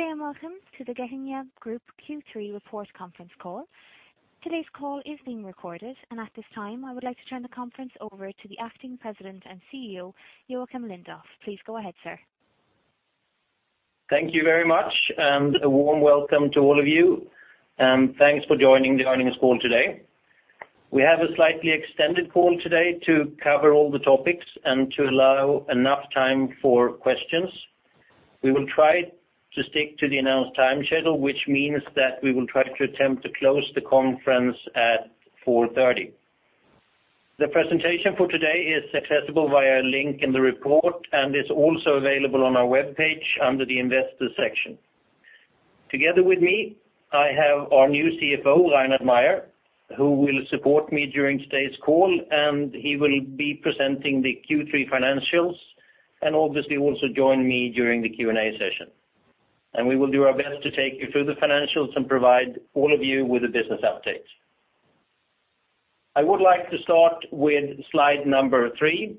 Welcome to the Getinge Group Q3 Report Conference Call. Today's call is being recorded, and at this time, I would like to turn the conference over to the Acting President and CEO, Joacim Lindoff. Please go ahead, sir. Thank you very much, and a warm welcome to all of you, and thanks for joining the earnings call today. We have a slightly extended call today to cover all the topics and to allow enough time for questions. We will try to stick to the announced time schedule, which means that we will try to attempt to close the conference at 4:30 P.M. The presentation for today is accessible via a link in the report and is also available on our webpage under the Investors section. Together with me, I have our new CFO, Reinhard Mayer, who will support me during today's call, and he will be presenting the Q3 financials, and obviously also join me during the Q&A session. We will do our best to take you through the financials and provide all of you with a business update. I would like to start with slide number three,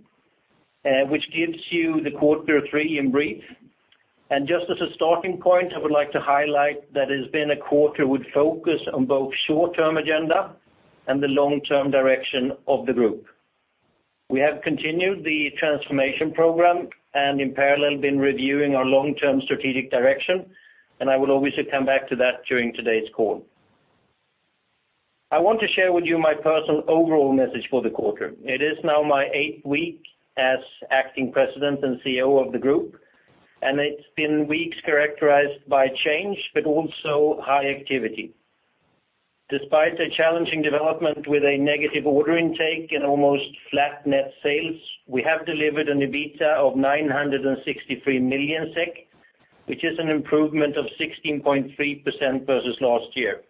which gives you the quarter three in brief. Just as a starting point, I would like to highlight that it's been a quarter with focus on both short-term agenda and the long-term direction of the group. We have continued the transformation program and in parallel, been reviewing our long-term strategic direction, and I will obviously come back to that during today's call. I want to share with you my personal overall message for the quarter. It is now my eighth week as acting president and CEO of the group, and it's been weeks characterized by change, but also high activity. Despite a challenging development with a negative order intake and almost flat net sales, we have delivered an EBITDA of 963 million SEK, which is an improvement of 16.3% versus last year.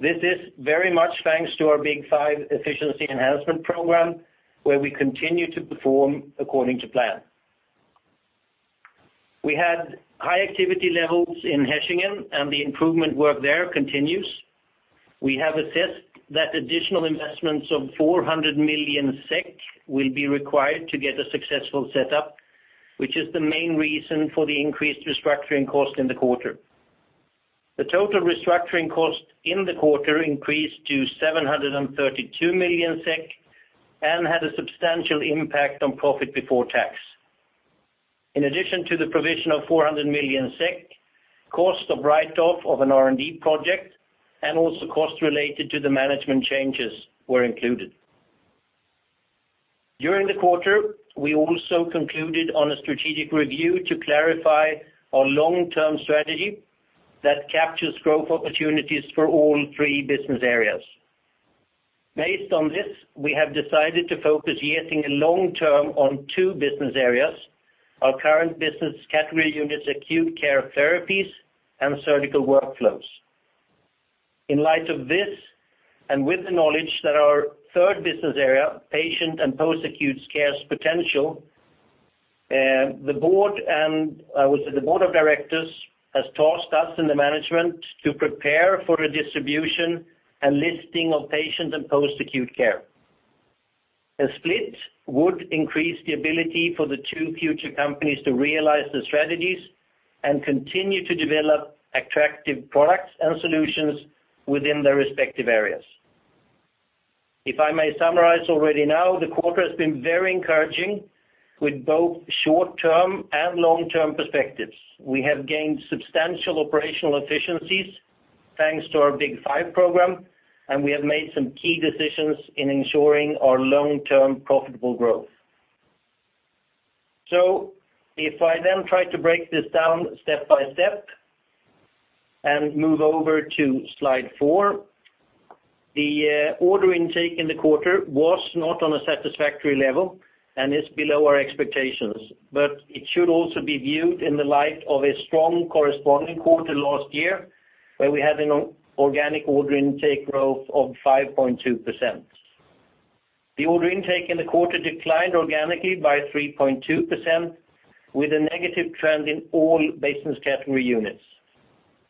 This is very much thanks to our Big Five efficiency enhancement program, where we continue to perform according to plan. We had high activity levels in Hechingen, and the improvement work there continues. We have assessed that additional investments of 400 million SEK will be required to get a successful setup, which is the main reason for the increased restructuring cost in the quarter. The total restructuring cost in the quarter increased to 732 million SEK and had a substantial impact on profit before tax. In addition to the provision of 400 million SEK, cost of write-off of an R&D project, and also costs related to the management changes were included. During the quarter, we also concluded on a strategic review to clarify our long-term strategy that captures growth opportunities for all three business areas. Based on this, we have decided to focus getting a long term on two business areas, our current business category units, Acute Care Therapies and Surgical Workflows. In light of this, and with the knowledge that our third business area, Patient and Post-Acute Care's potential, the board and, with the board of directors, has tasked us in the management to prepare for a distribution and listing of Patient and Post-Acute Care. A split would increase the ability for the two future companies to realize their strategies and continue to develop attractive products and solutions within their respective areas. If I may summarize already now, the quarter has been very encouraging with both short-term and long-term perspectives. We have gained substantial operational efficiencies thanks to our Big Five program, and we have made some key decisions in ensuring our long-term profitable growth. So if I then try to break this down step by step and move over to slide four, the order intake in the quarter was not on a satisfactory level and is below our expectations, but it should also be viewed in the light of a strong corresponding quarter last year, where we had an organic order intake growth of 5.2%. The order intake in the quarter declined organically by 3.2%, with a negative trend in all business category units.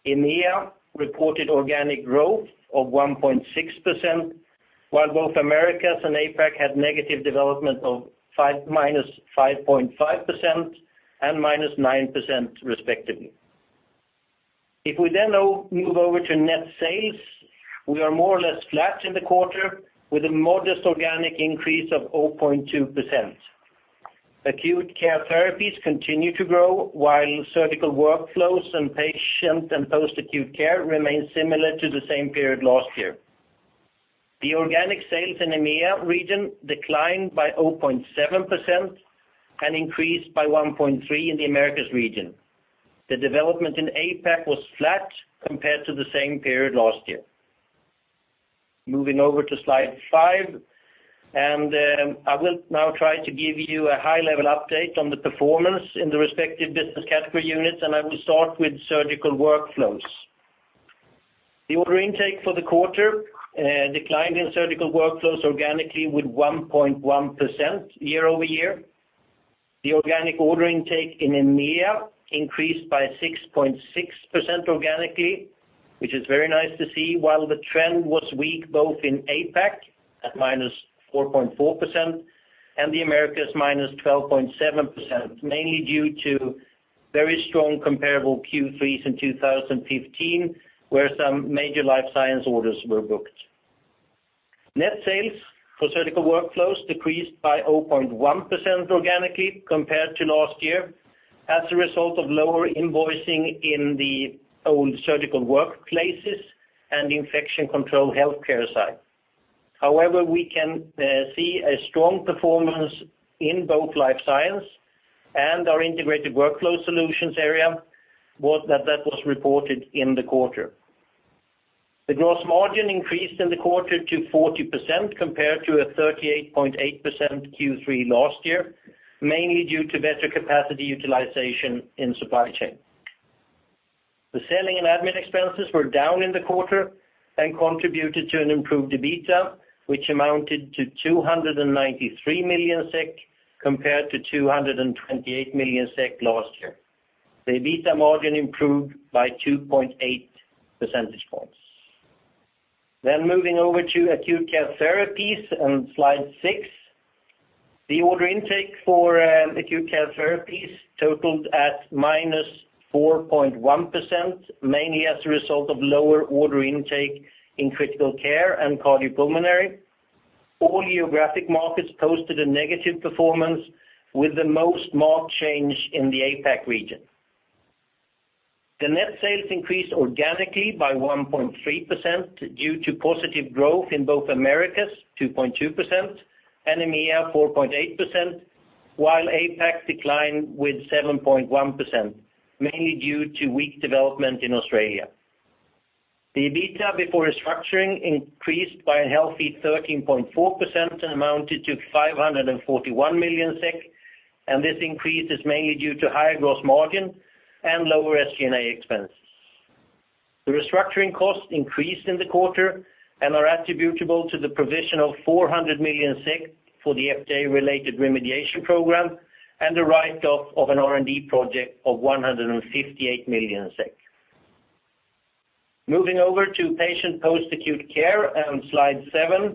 EMEA reported organic growth of 1.6%, while both Americas and APAC had negative development of -5.5% and -9%, respectively. If we then now move over to net sales, we are more or less flat in the quarter with a modest organic increase of 0.2%. Acute Care Therapies continue to grow, while Surgical Workflows and Patient and Post-Acute Care remain similar to the same period last year. The organic sales in EMEA region declined by 0.7% and increased by 1.3% in the Americas region. The development in APAC was flat compared to the same period last year. Moving over to slide five, I will now try to give you a high-level update on the performance in the respective business category units, and I will start with Surgical Workflows. The order intake for the quarter declined in Surgical Workflows organically with 1.1% year-over-year. The organic order intake in EMEA increased by 6.6% organically. which is very nice to see, while the trend was weak both in APAC, at -4.4%, and the Americas, -12.7%, mainly due to very strong comparable Q3s in 2015, where some major Life Science orders were booked. Net sales for Surgical Workflows decreased by 0.1% organically compared to last year, as a result of lower invoicing in the own Surgical Workplaces and Infection Control healthcare side. However, we can see a strong performance in both Life Science and our Integrated Workflow Solutions area, was that, that was reported in the quarter. The gross margin increased in the quarter to 40% compared to a 38.8% Q3 last year, mainly due to better capacity utilization in supply chain. The selling and admin expenses were down in the quarter and contributed to an improved EBITDA, which amounted to 293 million SEK, compared to 228 million SEK last year. The EBITDA margin improved by 2.8 percentage points. Then moving over to Acute Care Therapies on slide six. The order intake for Acute Care Therapies totaled at -4.1%, mainly as a result of lower order intake in critical care and cardiopulmonary. All geographic markets posted a negative performance with the most marked change in the APAC region. The net sales increased organically by 1.3% due to positive growth in both Americas, 2.2%, and EMEA, 4.8%, while APAC declined with 7.1%, mainly due to weak development in Australia. The EBITDA before restructuring increased by a healthy 13.4% and amounted to 541 million SEK, and this increase is mainly due to higher gross margin and lower SG&A expenses. The restructuring costs increased in the quarter and are attributable to the provision of 400 million for the FDA-related remediation program and the write-off of an R&D project of 158 million SEK. Moving over to Patient and Post-Acute Care on slide seven,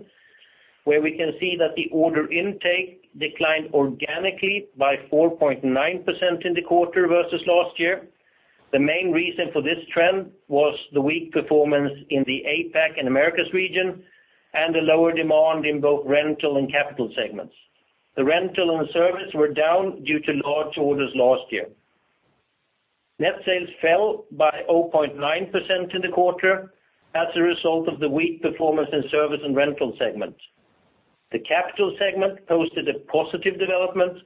where we can see that the order intake declined organically by 4.9% in the quarter versus last year. The main reason for this trend was the weak performance in the APAC and Americas region and the lower demand in both rental and capital segments. The rental and service were down due to large orders last year. Net sales fell by 0.9% in the quarter as a result of the weak performance in service and rental segments. The capital segment posted a positive development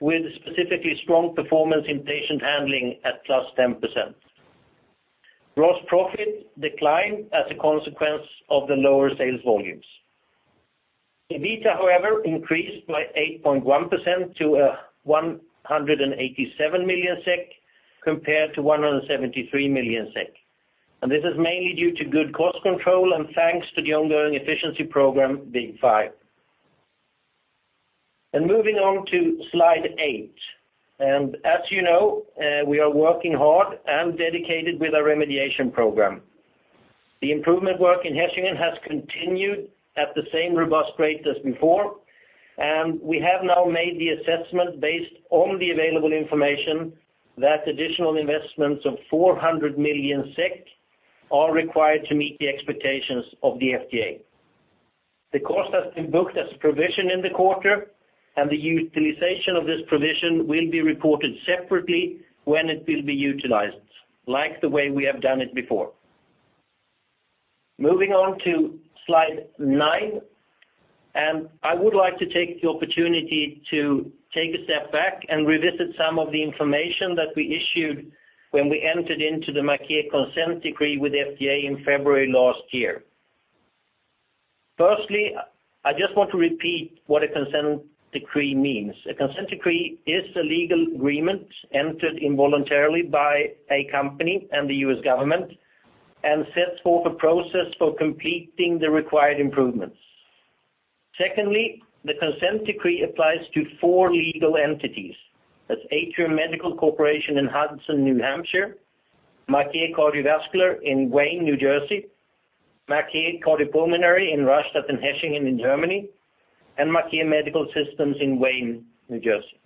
with specifically strong performance in patient handling at +10%. Gross profit declined as a consequence of the lower sales volumes. EBITDA, however, increased by 8.1% to 187 million SEK compared to 173 million SEK. And this is mainly due to good cost control and thanks to the ongoing efficiency program, Big Five. And moving on to slide eight, and as you know, we are working hard and dedicated with our remediation program. The improvement work in Hechingen has continued at the same robust rate as before, and we have now made the assessment based on the available information that additional investments of 400 million SEK are required to meet the expectations of the FDA. The cost has been booked as provision in the quarter, and the utilization of this provision will be reported separately when it will be utilized, like the way we have done it before. Moving on to slide nine, and I would like to take the opportunity to take a step back and revisit some of the information that we issued when we entered into the Maquet consent decree with FDA in February last year. Firstly, I just want to repeat what a consent decree means. A consent decree is a legal agreement entered in voluntarily by a company and the U.S. government, and sets forth a process for completing the required improvements. Secondly, the consent decree applies to four legal entities. That's Atrium Medical Corporation in Hudson, New Hampshire, Maquet Cardiovascular in Wayne, New Jersey, Maquet Cardiopulmonary in Rastatt and Hechingen in Germany, and Maquet Medical Systems in Wayne, New Jersey.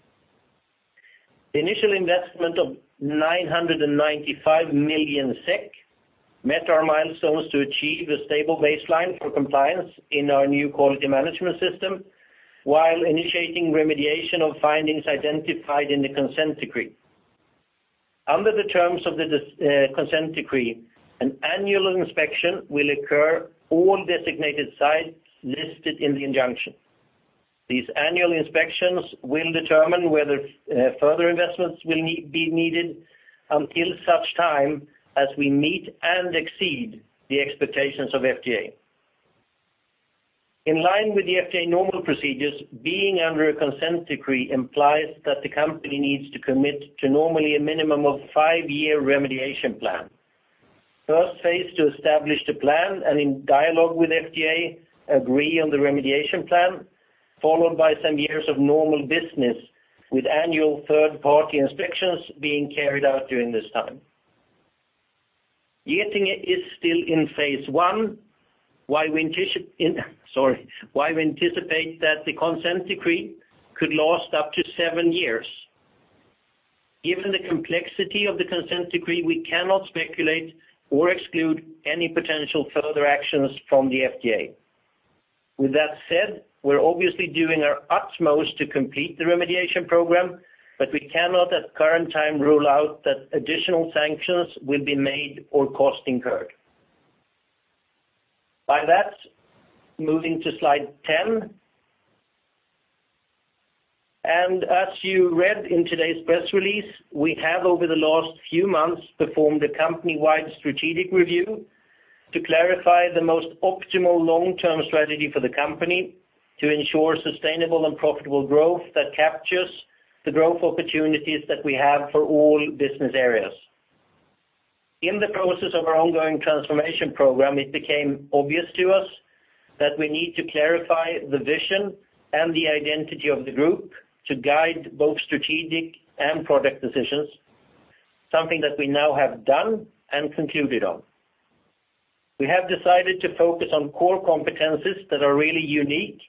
The initial investment of 995 million SEK met our milestones to achieve a stable baseline for compliance in our new quality management system, while initiating remediation of findings identified in the consent decree. Under the terms of the consent decree, an annual inspection will occur all designated sites listed in the injunction. These annual inspections will determine whether further investments will be needed until such time as we meet and exceed the expectations of FDA. In line with the FDA normal procedures, being under a consent decree implies that the company needs to commit to normally a minimum of five-year remediation plan. First phase, to establish the plan and in dialogue with FDA, agree on the remediation plan. Followed by some years of normal business, with annual third-party inspections being carried out during this time. Getinge is still in phase one, while we anticipate that the consent decree could last up to seven years. Given the complexity of the consent decree, we cannot speculate or exclude any potential further actions from the FDA. With that said, we're obviously doing our utmost to complete the remediation program, but we cannot, at current time, rule out that additional sanctions will be made or cost incurred. By that, moving to slide ten. As you read in today's press release, we have, over the last few months, performed a company-wide strategic review to clarify the most optimal long-term strategy for the company to ensure sustainable and profitable growth that captures the growth opportunities that we have for all business areas. In the process of our ongoing transformation program, it became obvious to us that we need to clarify the vision and the identity of the group to guide both strategic and product decisions, something that we now have done and concluded on. We have decided to focus on core competencies that are really unique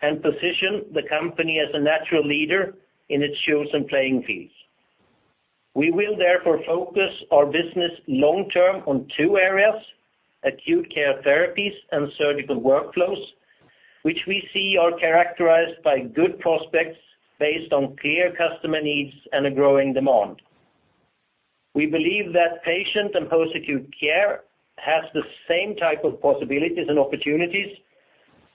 and position the company as a natural leader in its chosen playing fields. We will therefore focus our business long-term on two areas, Acute Care Therapies and Surgical Workflows, which we see are characterized by good prospects based on clear customer needs and a growing demand. We believe that patient and post-acute care has the same type of possibilities and opportunities,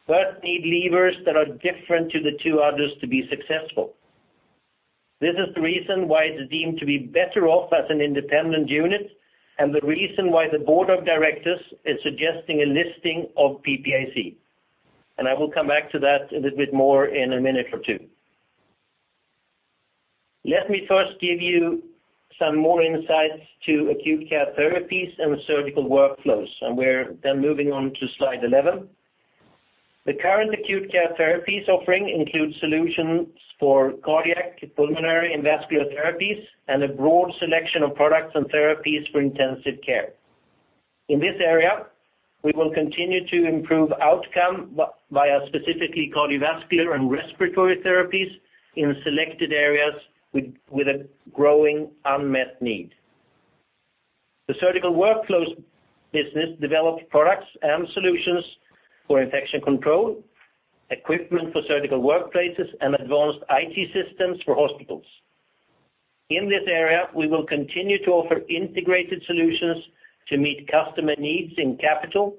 but need levers that are different to the two others to be successful. This is the reason why it's deemed to be better off as an independent unit, and the reason why the board of directors is suggesting a listing of PPAC. I will come back to that a little bit more in a minute or two. Let me first give you some more insights to Acute Care Therapies and Surgical Workflows, and we're then moving on to slide 11. The current Acute Care Therapies offering includes solutions for cardiac, pulmonary, and vascular therapies, and a broad selection of products and therapies for intensive care. In this area, we will continue to improve outcome by, via specifically cardiovascular and respiratory therapies in selected areas with a growing unmet need. The Surgical Workflows business develops products and solutions for Infection Control, equipment for Surgical Workplaces, and advanced IT systems for hospitals. In this area, we will continue to offer integrated solutions to meet customer needs in capital,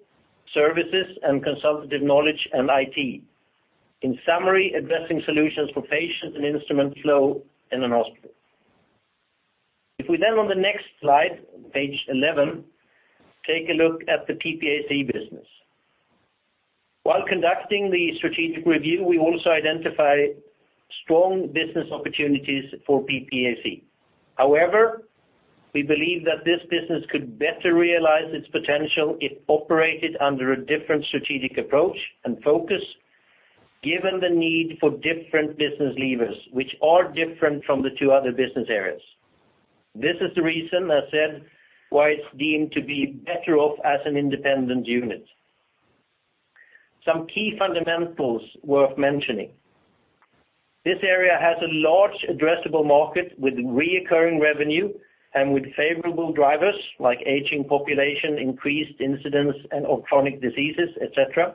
services, and consultative knowledge and IT. In summary, addressing solutions for patient and instrument flow in a hospital. If we then, on the next slide, page 11, take a look at the PPAC business. While conducting the strategic review, we also identify strong business opportunities for PPAC. However, we believe that this business could better realize its potential if operated under a different strategic approach and focus, given the need for different business levers, which are different from the two other business areas. This is the reason, as said, why it's deemed to be better off as an independent unit. Some key fundamentals worth mentioning. This area has a large addressable market with recurring revenue and with favorable drivers, like aging population, increased incidence of chronic diseases, et cetera.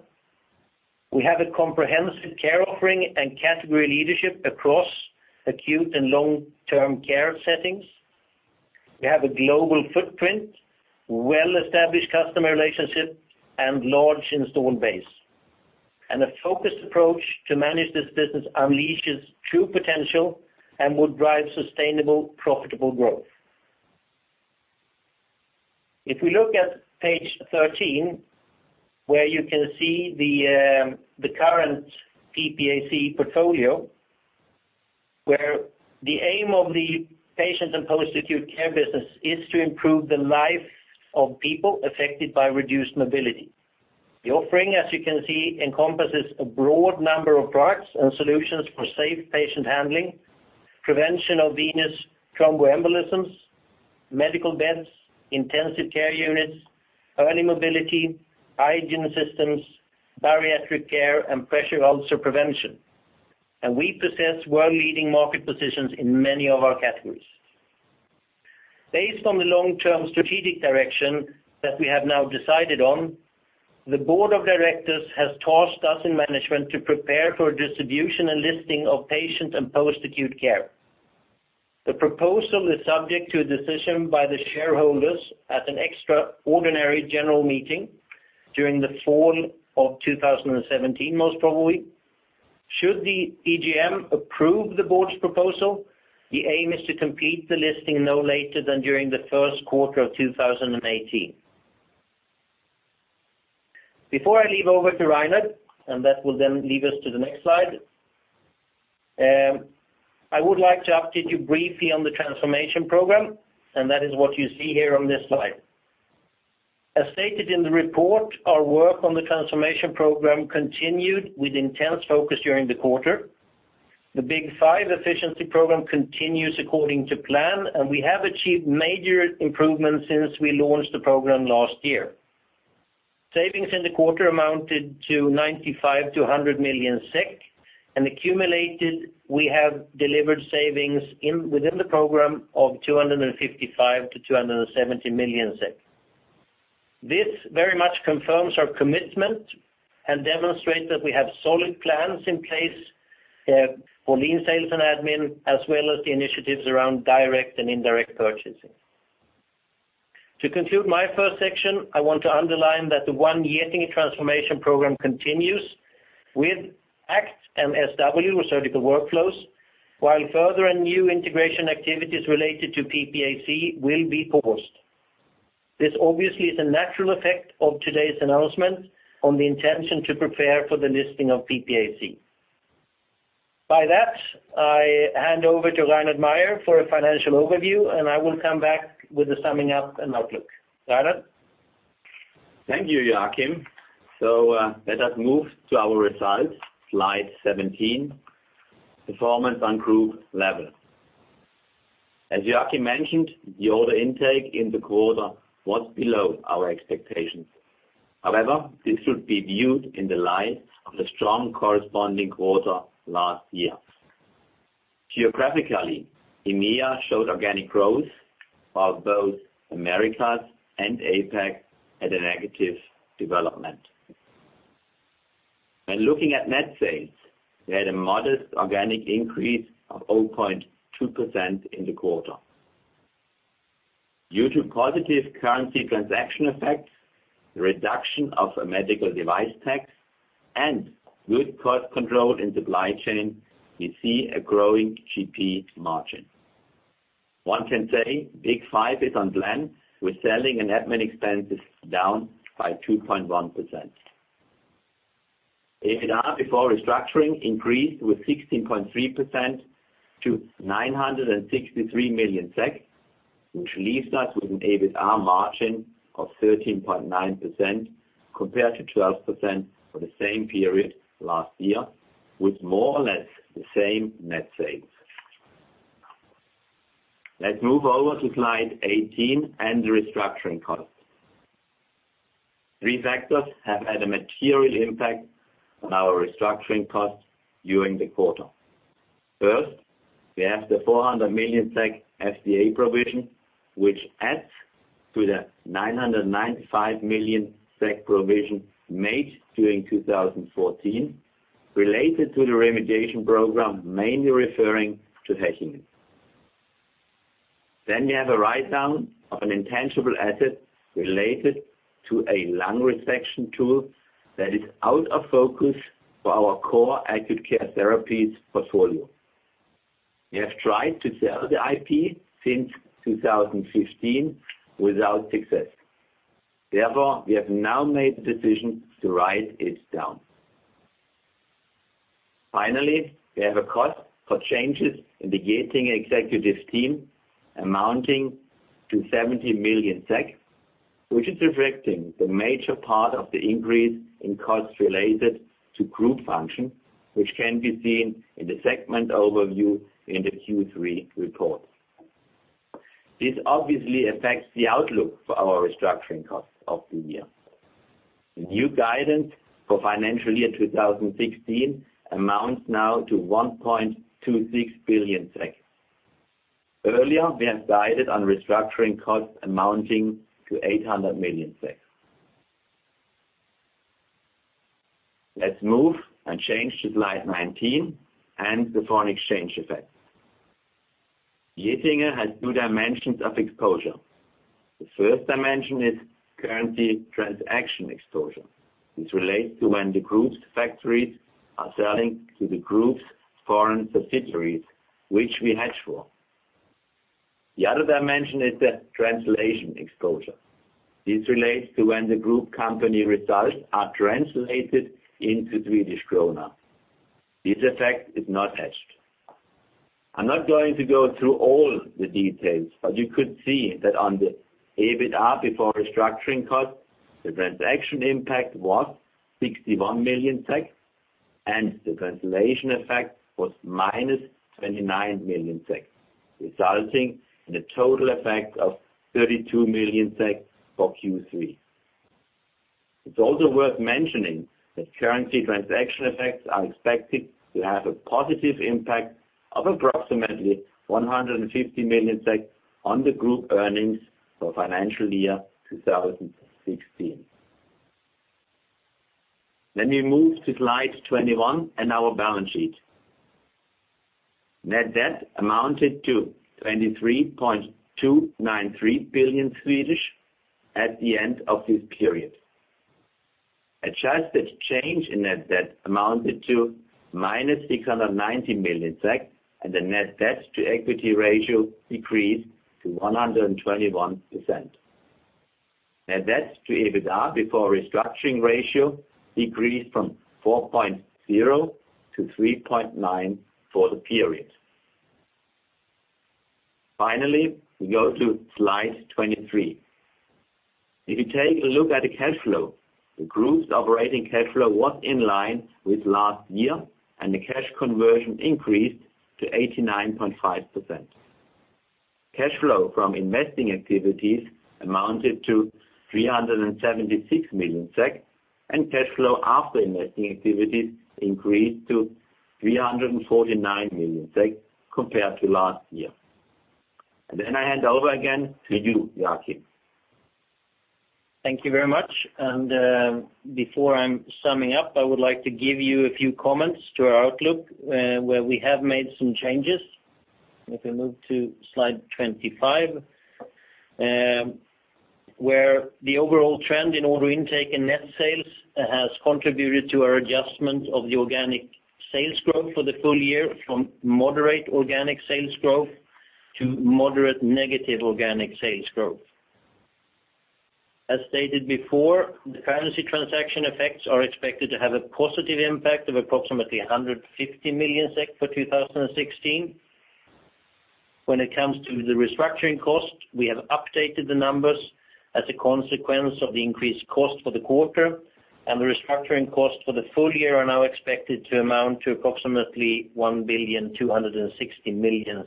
We have a comprehensive care offering and category leadership across acute and long-term care settings. We have a global footprint, well-established customer relationships, and large installed base. A focused approach to manage this business unleashes true potential and would drive sustainable, profitable growth. If we look at page 13, where you can see the current PPAC portfolio, where the aim of the Patient and Post-Acute Care business is to improve the life of people affected by reduced mobility. The offering, as you can see, encompasses a broad number of products and solutions for safe patient handling, prevention of venous thromboembolisms, medical beds, intensive care units, early mobility, hygiene systems, bariatric care, and pressure ulcer prevention. We possess world-leading market positions in many of our categories. Based on the long-term strategic direction that we have now decided on, the board of directors has tasked us in management to prepare for distribution and listing of patient and post-acute care. The proposal is subject to a decision by the shareholders at an extraordinary general meeting during the fall of 2017, most probably. Should the EGM approve the board's proposal, the aim is to complete the listing no later than during the first quarter of 2018. Before I hand over to Reinhard, and that will then lead us to the next slide, I would like to update you briefly on the transformation program, and that is what you see here on this slide. As stated in the report, our work on the transformation program continued with intense focus during the quarter. The Big Five efficiency program continues according to plan, and we have achieved major improvements since we launched the program last year. Savings in the quarter amounted to 95-100 million SEK, and accumulated, we have delivered savings in, within the program of 255-270 million SEK. This very much confirms our commitment and demonstrate that we have solid plans in place, for lean sales and admin, as well as the initiatives around direct and indirect purchasing. To conclude my first section, I want to underline that the One Getinge transformation program continues with ACT and SW, or Surgical Workflows, while further and new integration activities related to PPAC will be paused. This obviously is a natural effect of today's announcement on the intention to prepare for the listing of PPAC. By that, I hand over to Reinhard Mayer for a financial overview, and I will come back with the summing up and outlook. Reinhard? Thank you, Joacim. So, let us move to our results, slide 17. Performance on group level. As Joacim mentioned, the order intake in the quarter was below our expectations. However, this should be viewed in the light of the strong corresponding quarter last year. Geographically, EMEA showed organic growth, while both Americas and APAC had a negative development. When looking at net sales, we had a modest organic increase of 0.2% in the quarter. Due to positive currency transaction effects, the reduction of a Medical Device Tax, and good cost control in supply chain, we see a growing GP margin. One can say, Big Five is on plan, with selling and admin expenses down by 2.1%. EBITDA before restructuring increased with 16.3% to 963 million SEK, which leaves us with an EBITDA margin of 13.9%, compared to 12% for the same period last year, with more or less the same net sales. Let's move over to slide 18 and the restructuring costs. Three factors have had a material impact on our restructuring costs during the quarter. First, we have the 400 million SEK FDA provision, which adds to the 995 million SEK provision made during 2014, related to the remediation program, mainly referring to Getinge. Then we have a write-down of an intangible asset related to a lung resection tool that is out of focus for our core Acute Care Therapies portfolio. We have tried to sell the IP since 2015, without success. Therefore, we have now made the decision to write it down. Finally, we have a cost for changes in the Getinge executive team, amounting to 70 million, which is reflecting the major part of the increase in costs related to group function, which can be seen in the segment overview in the Q3 report. This obviously affects the outlook for our restructuring costs of the year. The new guidance for financial year 2016 amounts now to 1.26 billion. Earlier, we have decided on restructuring costs amounting to SEK 800 million. Let's move and change to slide 19 and the foreign exchange effect. Getinge has two dimensions of exposure. The first dimension is currency transaction exposure. This relates to when the group's factories are selling to the group's foreign subsidiaries, which we hedge for. The other dimension is the translation exposure. This relates to when the group company results are translated into Swedish krona. This effect is not hedged. I'm not going to go through all the details, but you could see that on the EBITDA, before restructuring costs, the transaction impact was 61 million SEK, and the translation effect was -29 million SEK, resulting in a total effect of 32 million SEK for Q3. It's also worth mentioning that currency transaction effects are expected to have a positive impact of approximately 150 million SEK on the group earnings for financial year 2016. Then we move to slide 21 and our balance sheet. Net debt amounted to 23.293 billion SEK at the end of this period. Adjusted change in net debt amounted to -690 million SEK, and the net debt to equity ratio decreased to 121%. Net debt to EBITDA before restructuring ratio decreased from 4.0 to 3.9 for the period. Finally, we go to slide 23. If you take a look at the cash flow, the group's operating cash flow was in line with last year, and the cash conversion increased to 89.5%. Cash flow from investing activities amounted to 376 million, and cash flow after investing activities increased to 349 million compared to last year. Then I hand over again to you, Joacim. Thank you very much, and before I'm summing up, I would like to give you a few comments to our outlook, where we have made some changes. If we move to slide 25, where the overall trend in order intake and net sales has contributed to our adjustment of the organic sales growth for the full year, from moderate organic sales growth to moderate negative organic sales growth. As stated before, the currency transaction effects are expected to have a positive impact of approximately 150 million SEK for 2016. When it comes to the restructuring cost, we have updated the numbers as a consequence of the increased cost for the quarter, and the restructuring costs for the full year are now expected to amount to approximately 1.26 billion.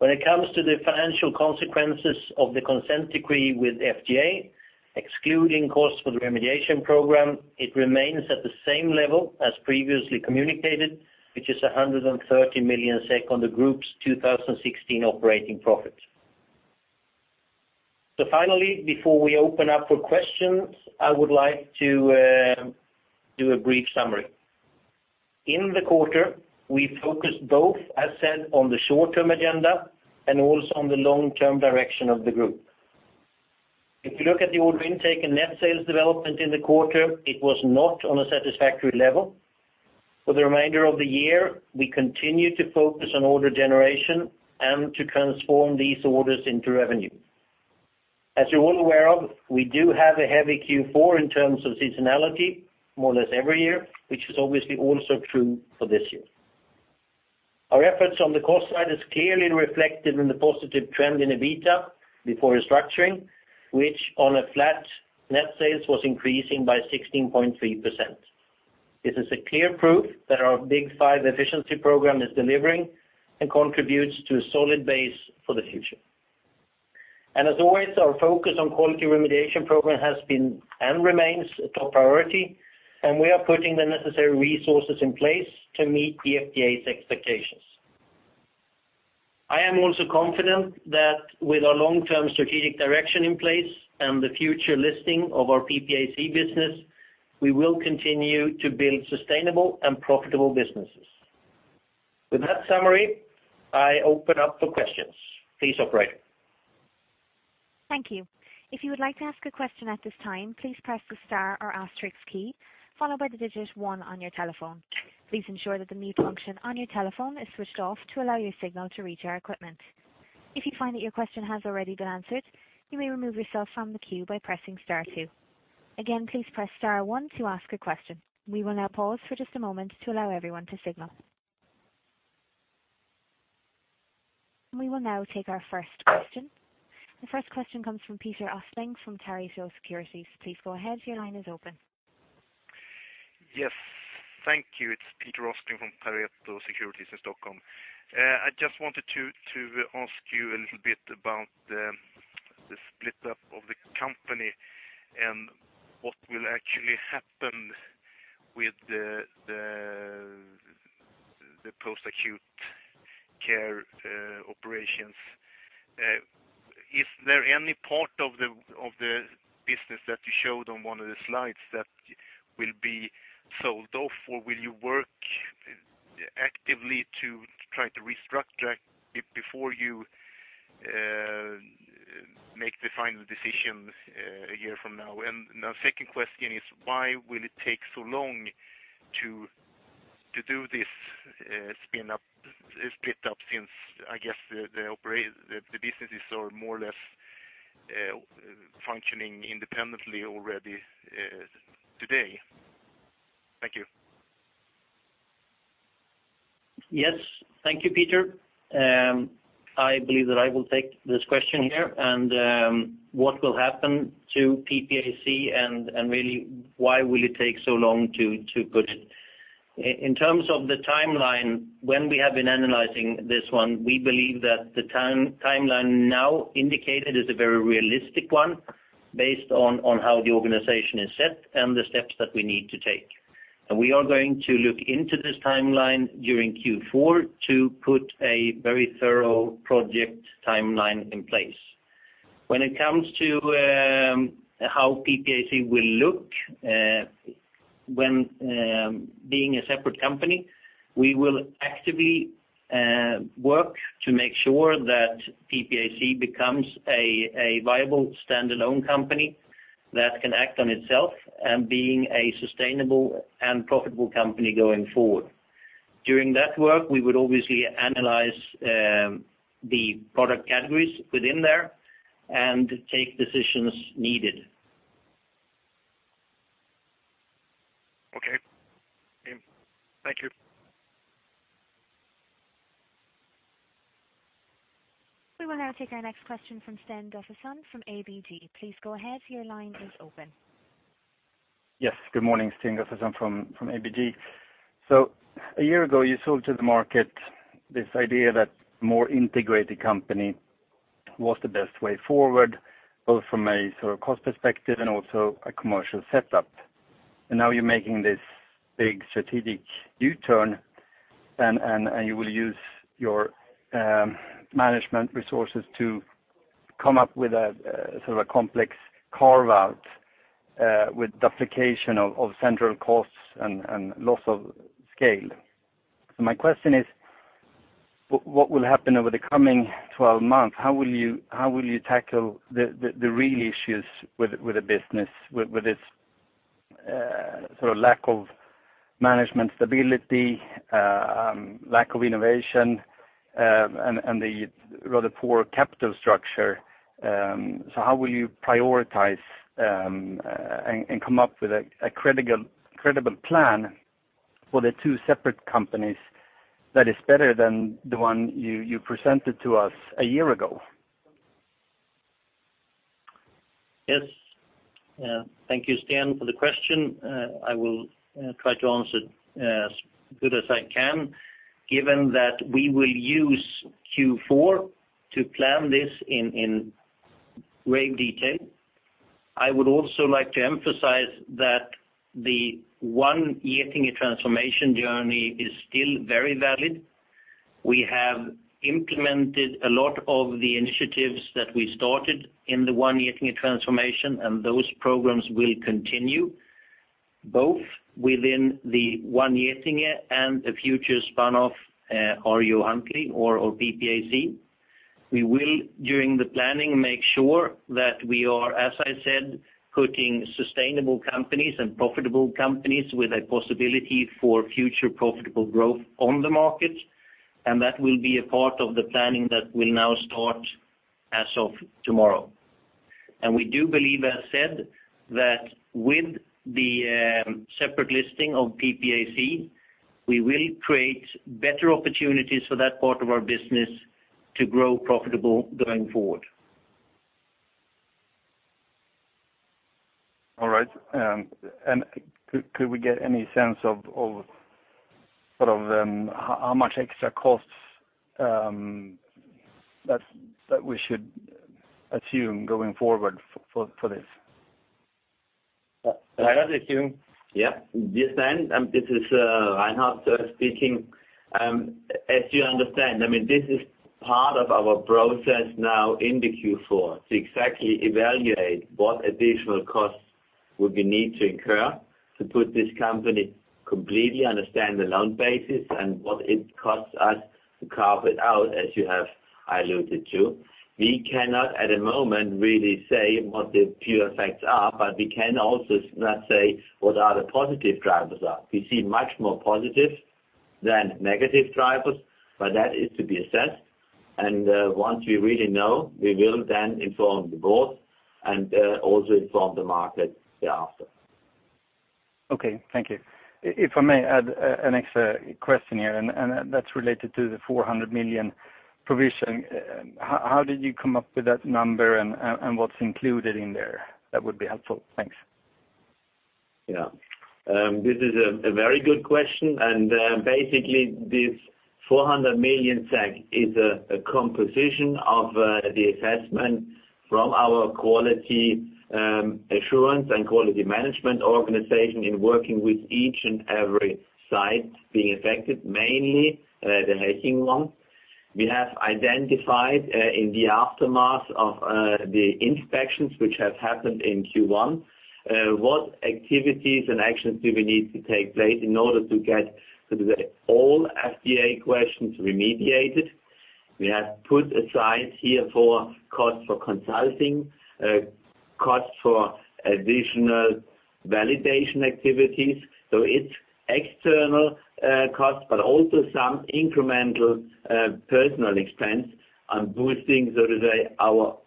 When it comes to the financial consequences of the Consent Decree with FDA, excluding costs for the remediation program, it remains at the same level as previously communicated, which is 130 million SEK on the group's 2016 operating profit. So finally, before we open up for questions, I would like to do a brief summary. In the quarter, we focused both, as said, on the short-term agenda and also on the long-term direction of the group. If you look at the order intake and net sales development in the quarter, it was not on a satisfactory level. For the remainder of the year, we continue to focus on order generation and to transform these orders into revenue. As you're all aware of, we do have a heavy Q4 in terms of seasonality, more or less every year, which is obviously also true for this year. Our efforts on the cost side is clearly reflected in the positive trend in EBITDA before restructuring, which on a flat net sales, was increasing by 16.3%. This is a clear proof that our Big Five efficiency program is delivering and contributes to a solid base for the future. As always, our focus on quality remediation program has been and remains a top priority, and we are putting the necessary resources in place to meet the FDA's expectations. I am also confident that with our long-term strategic direction in place and the future listing of our PPAC business, we will continue to build sustainable and profitable businesses. With that summary, I open up for questions. Please, operator. Thank you. If you would like to ask a question at this time, please press the star or asterisk key, followed by the digit one on your telephone. Please ensure that the mute function on your telephone is switched off to allow your signal to reach our equipment. If you find that your question has already been answered, you may remove yourself from the queue by pressing star two. Again, please press star one to ask a question. We will now pause for just a moment to allow everyone to signal. We will now take our first question. The first question comes from Peter Östling, from Pareto Securities. Please go ahead, your line is open. Yes, thank you. It's Peter Ostling from Pareto Securities in Stockholm. I just wanted to ask you a little bit about the split up of the company and what will actually happen with the post-acute care operations. Is there any part of the business that you showed on one of the slides that will be sold off, or will you work actively to try to restructure it before you make the final decisions a year from now? And my second question is: Why will it take so long to do this spin up split up, since I guess the businesses are more or less functioning independently already today? Thank you. Yes. Thank you, Peter. I believe that I will take this question here, and what will happen to PPAC, and really, why will it take so long to put it? In terms of the timeline, when we have been analyzing this one, we believe that the timeline now indicated is a very realistic one, based on how the organization is set and the steps that we need to take. And we are going to look into this timeline during Q4 to put a very thorough project timeline in place. When it comes to how PPAC will look, when being a separate company, we will actively work to make sure that PPAC becomes a viable standalone company that can act on itself and being a sustainable and profitable company going forward. During that work, we would obviously analyze the product categories within there and take decisions needed.... Thank you. We will now take our next question from Sten Gustafsson from ABG. Please go ahead, your line is open. Yes, good morning, Sten Gustafsson from ABG. So a year ago, you sold to the market this idea that more integrated company was the best way forward, both from a sort of cost perspective and also a commercial setup. And now you're making this big strategic U-turn, and you will use your management resources to come up with a sort of a complex carve-out, with duplication of central costs and loss of scale. So my question is, what will happen over the coming 12 months? How will you tackle the real issues with the business, with this sort of lack of management stability, lack of innovation, and the rather poor capital structure? So, how will you prioritize and come up with a credible plan for the two separate companies that is better than the one you presented to us a year ago? Yes. Thank you, Sten, for the question. I will try to answer as good as I can, given that we will use Q4 to plan this in great detail. I would also like to emphasize that the One Getinge transformation journey is still very valid. We have implemented a lot of the initiatives that we started in the One Getinge transformation, and those programs will continue both within the One Getinge and the future spin-off, ArjoHuntleigh or PPAC. We will, during the planning, make sure that we are, as I said, putting sustainable companies and profitable companies with a possibility for future profitable growth on the market, and that will be a part of the planning that will now start as of tomorrow. We do believe, as said, that with the separate listing of PPAC, we will create better opportunities for that part of our business to grow profitable going forward. All right. And could we get any sense of sort of how much extra costs that we should assume going forward for this? Reinhard, if you- Yeah. Yes, Sten, this is, Reinhard, speaking. As you understand, I mean, this is part of our process now in the Q4, to exactly evaluate what additional costs would we need to incur to put this company completely on a stand-alone basis, and what it costs us to carve it out, as you have alluded to. We cannot, at the moment, really say what the pure effects are, but we can also not say what are the positive drivers are. We see much more positive than negative drivers, but that is to be assessed, and, once we really know, we will then inform the board and, also inform the market thereafter. Okay, thank you. If I may add an extra question here, and that's related to the 400 million provision. How did you come up with that number, and what's included in there? That would be helpful. Thanks. Yeah. This is a very good question, and basically, this 400 million is a composition of the assessment from our quality assurance and quality management organization in working with each and every site being affected, mainly the Hechingen one. We have identified in the aftermath of the inspections, which have happened in Q1, what activities and actions do we need to take place in order to get sort of all FDA questions remediated. We have put aside here for cost for consulting, cost for additional validation activities, so it's external costs, but also some incremental personnel expense on boosting, so to say, our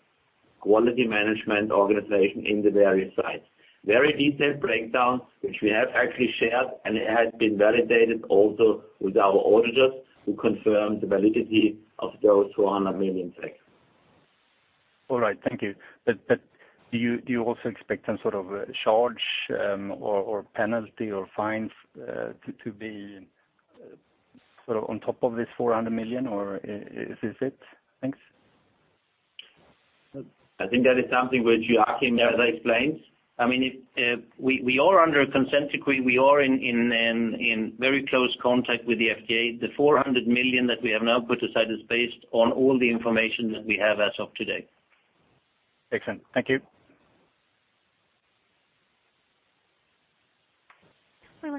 quality management organization in the various sites. Very detailed breakdown, which we have actually shared, and it has been validated also with our auditors, who confirmed the validity of those 400 million. All right. Thank you. But do you also expect some sort of a charge, or penalty or fines, to be sort of on top of this 400 million, or is this it? Thanks. I think that is something which Joacim may explain. I mean, if we are under a Consent Decree. We are in very close contact with the FDA. The 400 million that we have now put aside is based on all the information that we have as of today. Excellent. Thank you.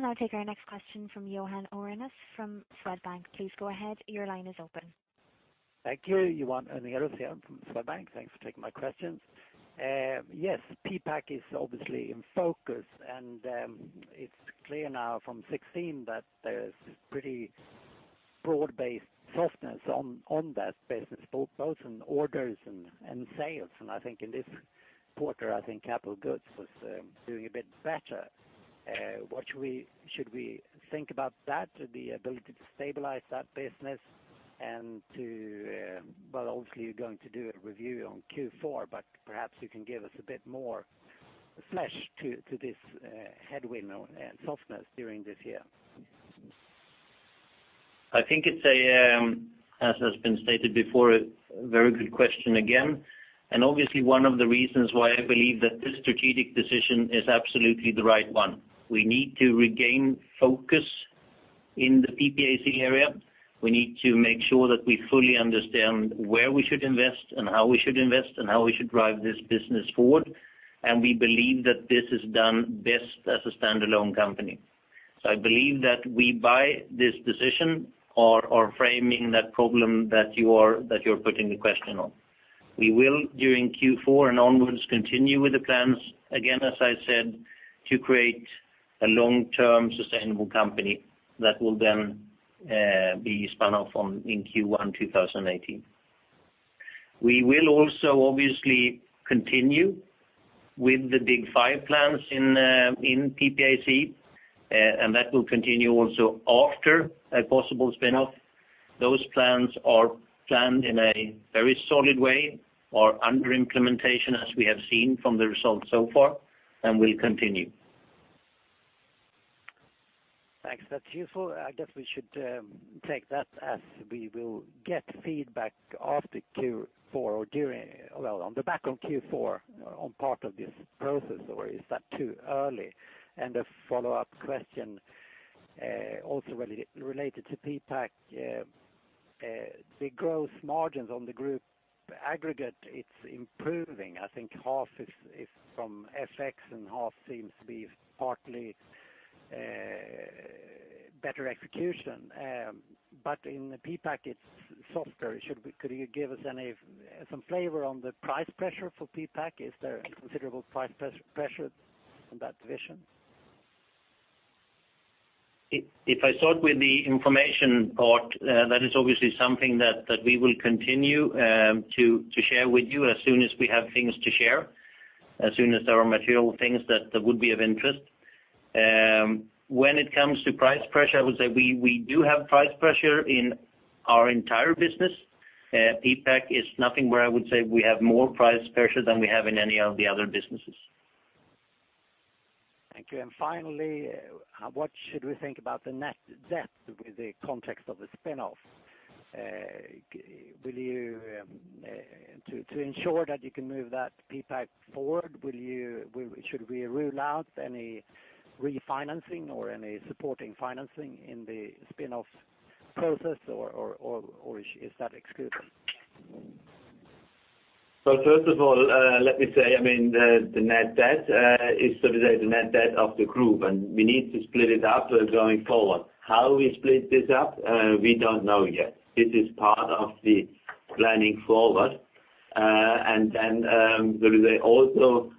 We will now take our next question from Johan Orrenius from Swedbank. Please go ahead. Your line is open. Thank you, Johan Orrenius here from Swedbank. Thanks for taking my questions. Yes, PPAC is obviously in focus, and it's clear now from 2016 that there's pretty broad-based softness on that business, both in orders and sales. I think in this quarter capital goods was doing a bit better. What should we think about that, the ability to stabilize that business and to well, obviously, you're going to do a review on Q4, but perhaps you can give us a bit more flesh to this headwind and softness during this year? I think it's a, as has been stated before, a very good question again, and obviously one of the reasons why I believe that this strategic decision is absolutely the right one. We need to regain focus in the PPAC area. We need to make sure that we fully understand where we should invest and how we should invest, and how we should drive this business forward, and we believe that this is done best as a standalone company. So I believe that we, by this decision, are, are framing that problem that you're putting the question on. We will, during Q4 and onwards, continue with the plans, again, as I said, to create a long-term sustainable company that will then be spun off on in Q1 2018. We will also obviously continue with the Big Five plans in, in PPAC, and that will continue also after a possible spin-off. Those plans are planned in a very solid way or under implementation, as we have seen from the results so far, and will continue. Thanks. That's useful. I guess we should take that as we will get feedback after Q4 or during, well, on the back of Q4, on part of this process, or is that too early? And a follow-up question, also related to PPAC, the growth margins on the group aggregate, it's improving. I think half is from FX, and half seems to be partly better execution. But in the PPAC, it's softer. Could you give us some flavor on the price pressure for PPAC? Is there any considerable price pressure in that division? If I start with the information part, that is obviously something that we will continue to share with you as soon as we have things to share, as soon as there are material things that would be of interest. When it comes to price pressure, I would say we do have price pressure in our entire business. PPAC is nothing where I would say we have more price pressure than we have in any of the other businesses. Thank you. Finally, what should we think about the net debt in the context of the spin-off? Will you, to ensure that you can move that PPAC forward, will you—should we rule out any refinancing or any supporting financing in the spin-off process, or is that excluded? So first of all, let me say, I mean, the net debt is sort of like the net debt of the group, and we need to split it up going forward. How we split this up, we don't know yet. This is part of the planning forward. And then, we will also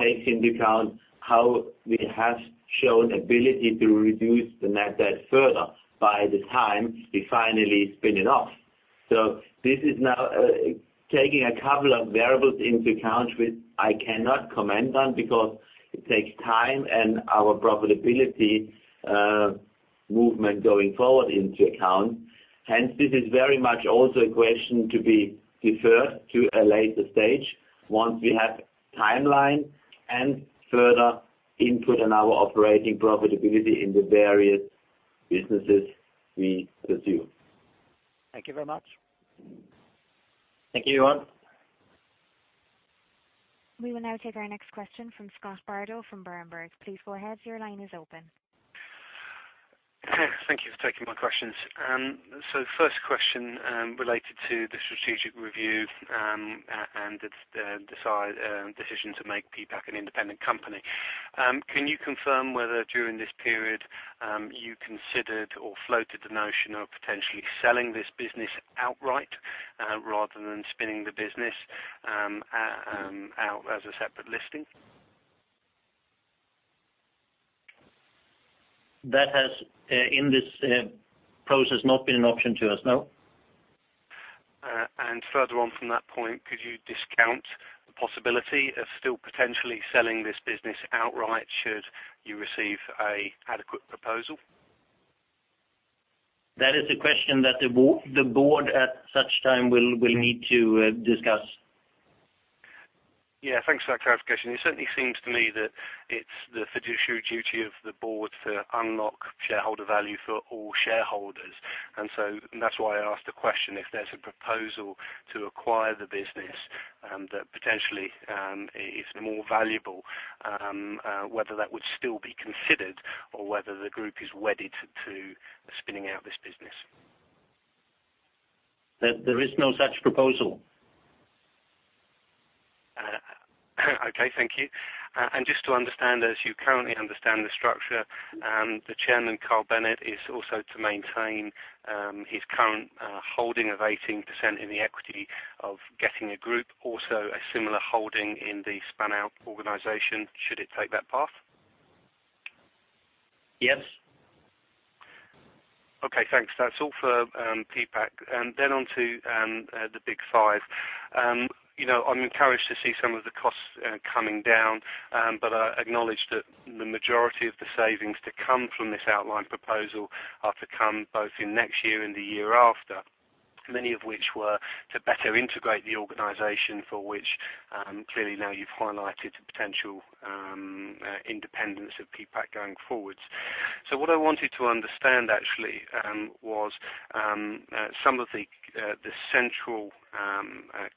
take into account how we have shown ability to reduce the net debt further by the time we finally spin it off. So this is now taking a couple of variables into account, which I cannot comment on because it takes time and our profitability movement going forward into account. Hence, this is very much also a question to be deferred to a later stage once we have timeline and further input on our operating profitability in the various businesses we pursue. Thank you very much. Thank you, everyone. We will now take our next question from Scott Bardo from Berenberg. Please go ahead. Your line is open. Thank you for taking my questions. First question, related to the strategic review, and the decision to make PPAC an independent company. Can you confirm whether during this period, you considered or floated the notion of potentially selling this business outright, rather than spinning the business out as a separate listing? That has, in this process, not been an option to us, no. And further on from that point, could you discount the possibility of still potentially selling this business outright, should you receive an adequate proposal? That is a question that the board at such time will need to discuss. Yeah, thanks for that clarification. It certainly seems to me that it's the fiduciary duty of the board to unlock shareholder value for all shareholders. And so, that's why I asked the question, if there's a proposal to acquire the business and that potentially is more valuable, whether that would still be considered or whether the group is wedded to spinning out this business. There is no such proposal. Okay, thank you. Just to understand, as you currently understand the structure, the Chairman, Carl Bennet, is also to maintain his current holding of 18% in the equity of Getinge Group, also a similar holding in the spun out organization, should it take that path?... Yes? Okay, thanks. That's all for PPAC. And then on to the Big Five. You know, I'm encouraged to see some of the costs coming down. But I acknowledge that the majority of the savings to come from this outline proposal are to come both in next year and the year after, many of which were to better integrate the organization for which clearly now you've highlighted the potential independence of PPAC going forwards. So what I wanted to understand actually was some of the the central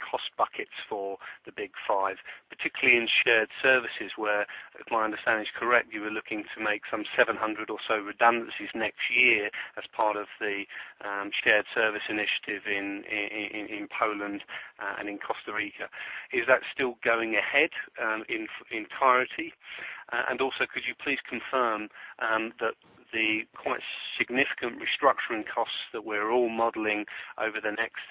cost buckets for the Big Five, particularly in shared services, where, if my understanding is correct, you were looking to make some 700 or so redundancies next year as part of the shared service initiative in Poland and in Costa Rica. Is that still going ahead, in entirety? And also, could you please confirm, that the quite significant restructuring costs that we're all modeling over the next,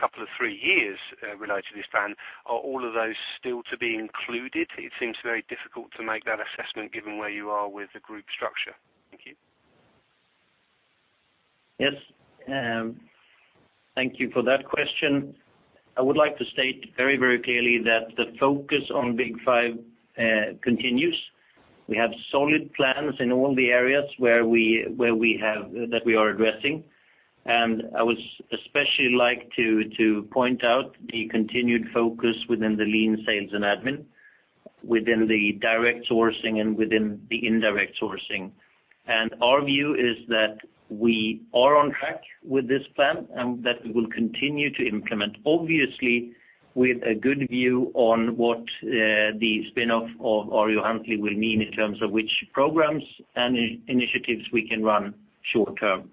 couple of 3 years, related to this plan, are all of those still to be included? It seems very difficult to make that assessment given where you are with the group structure. Thank you. Yes, thank you for that question. I would like to state very, very clearly that the focus on Big Five continues. We have solid plans in all the areas where we have that we are addressing. I would especially like to point out the continued focus within the lean sales and admin, within the direct sourcing and within the indirect sourcing. Our view is that we are on track with this plan and that we will continue to implement, obviously, with a good view on what the spin-off of ArjoHuntleigh will mean in terms of which programs and initiatives we can run short term.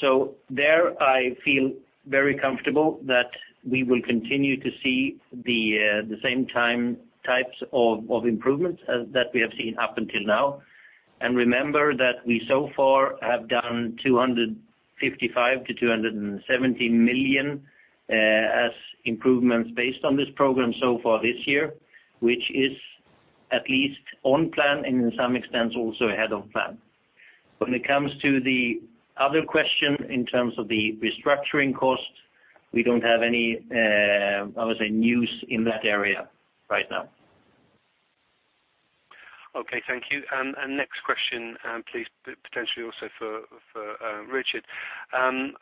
So there I feel very comfortable that we will continue to see the same types of improvements as that we have seen up until now. And remember that we so far have done 255 million-270 million as improvements based on this program so far this year, which is at least on plan and in some extents, also ahead of plan. When it comes to the other question, in terms of the restructuring costs, we don't have any, I would say, news in that area right now. Okay, thank you. And next question, please, potentially also for Reinhard.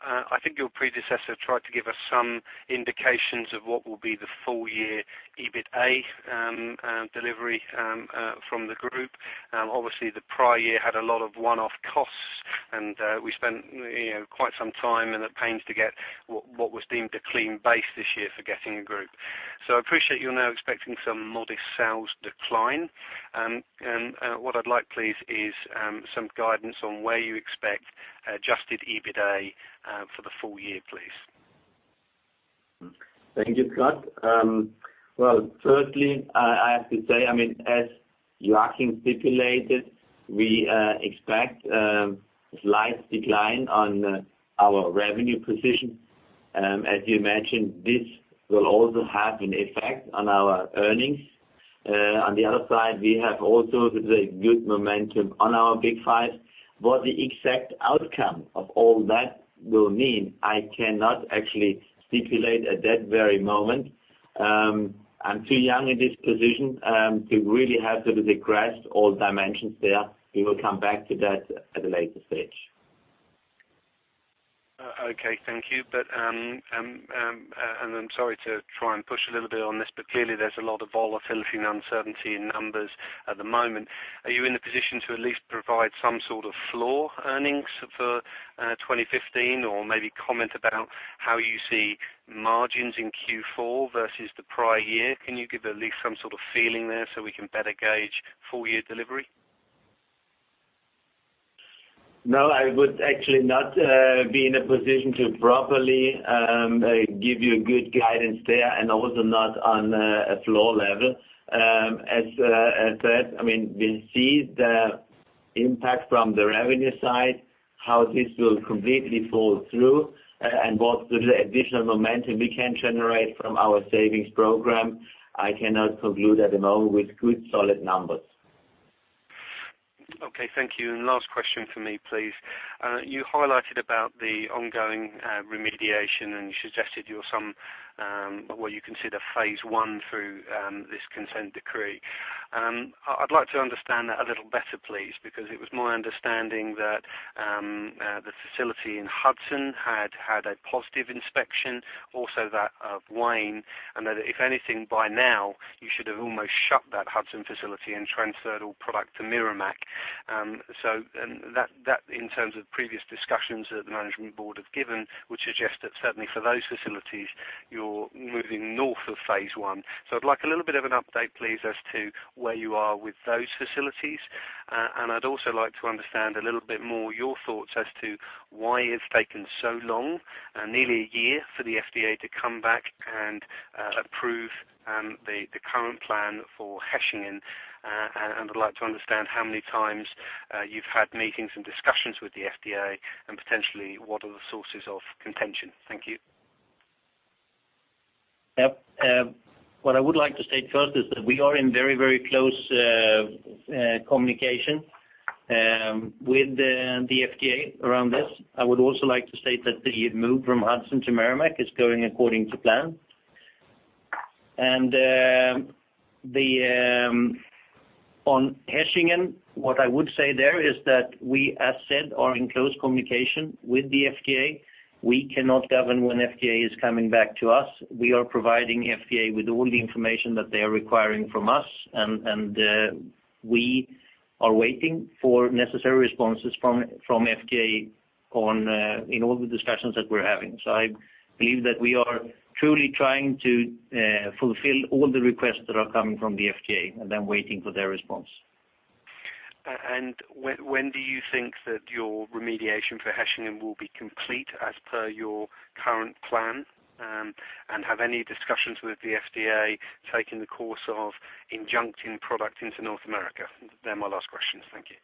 I think your predecessor tried to give us some indications of what will be the full year EBITDA delivery from the group. Obviously, the prior year had a lot of one-off costs, and we spent, you know, quite some time and at pains to get what was deemed a clean base this year for Getinge Group. So I appreciate you're now expecting some modest sales decline. And what I'd like, please, is some guidance on where you expect adjusted EBITDA for the full year, please. Thank you, Scott. Well, firstly, I have to say, I mean, as Joachim stipulated, we expect slight decline on our revenue position. As you mentioned, this will also have an effect on our earnings. On the other side, we have also the good momentum on our Big Five. What the exact outcome of all that will mean, I cannot actually stipulate at that very moment. I'm too young in this position to really have to grasp all dimensions there. We will come back to that at a later stage. Okay, thank you. But, and I'm sorry to try and push a little bit on this, but clearly there's a lot of volatility and uncertainty in numbers at the moment. Are you in a position to at least provide some sort of floor earnings for 2015 or maybe comment about how you see margins in Q4 versus the prior year? Can you give at least some sort of feeling there so we can better gauge full year delivery? No, I would actually not be in a position to properly give you a good guidance there, and also not on a floor level. As said, I mean, we see the impact from the revenue side, how this will completely fall through, and what the additional momentum we can generate from our savings program, I cannot conclude at the moment with good, solid numbers. Okay, thank you. And last question for me, please. You highlighted about the ongoing remediation, and you suggested you are some what you consider phase one through this Consent Decree. I'd like to understand that a little better, please, because it was my understanding that the facility in Hudson had had a positive inspection, also that of Wayne, and that if anything, by now, you should have almost shut that Hudson facility and transferred all product to Merrimack. So, and that, that in terms of previous discussions that the management board have given, would suggest that certainly for those facilities, you're moving north of phase one. So I'd like a little bit of an update, please, as to where you are with those facilities. I'd also like to understand a little bit more your thoughts as to why it's taken so long, nearly a year, for the FDA to come back and approve the current plan for Hechingen. I'd like to understand how many times you've had meetings and discussions with the FDA and potentially what are the sources of contention. Thank you. ... Yep, what I would like to state first is that we are in very, very close communication with the FDA around this. I would also like to state that the move from Hudson to Merrimack is going according to plan. On Hechingen, what I would say there is that we, as said, are in close communication with the FDA. We cannot govern when FDA is coming back to us. We are providing FDA with all the information that they are requiring from us, and we are waiting for necessary responses from FDA on in all the discussions that we're having. So I believe that we are truly trying to fulfill all the requests that are coming from the FDA, and then waiting for their response. When do you think that your remediation for Hechingen will be complete as per your current plan? Have any discussions with the FDA taken the course of enjoining product into North America? They're my last questions. Thank you.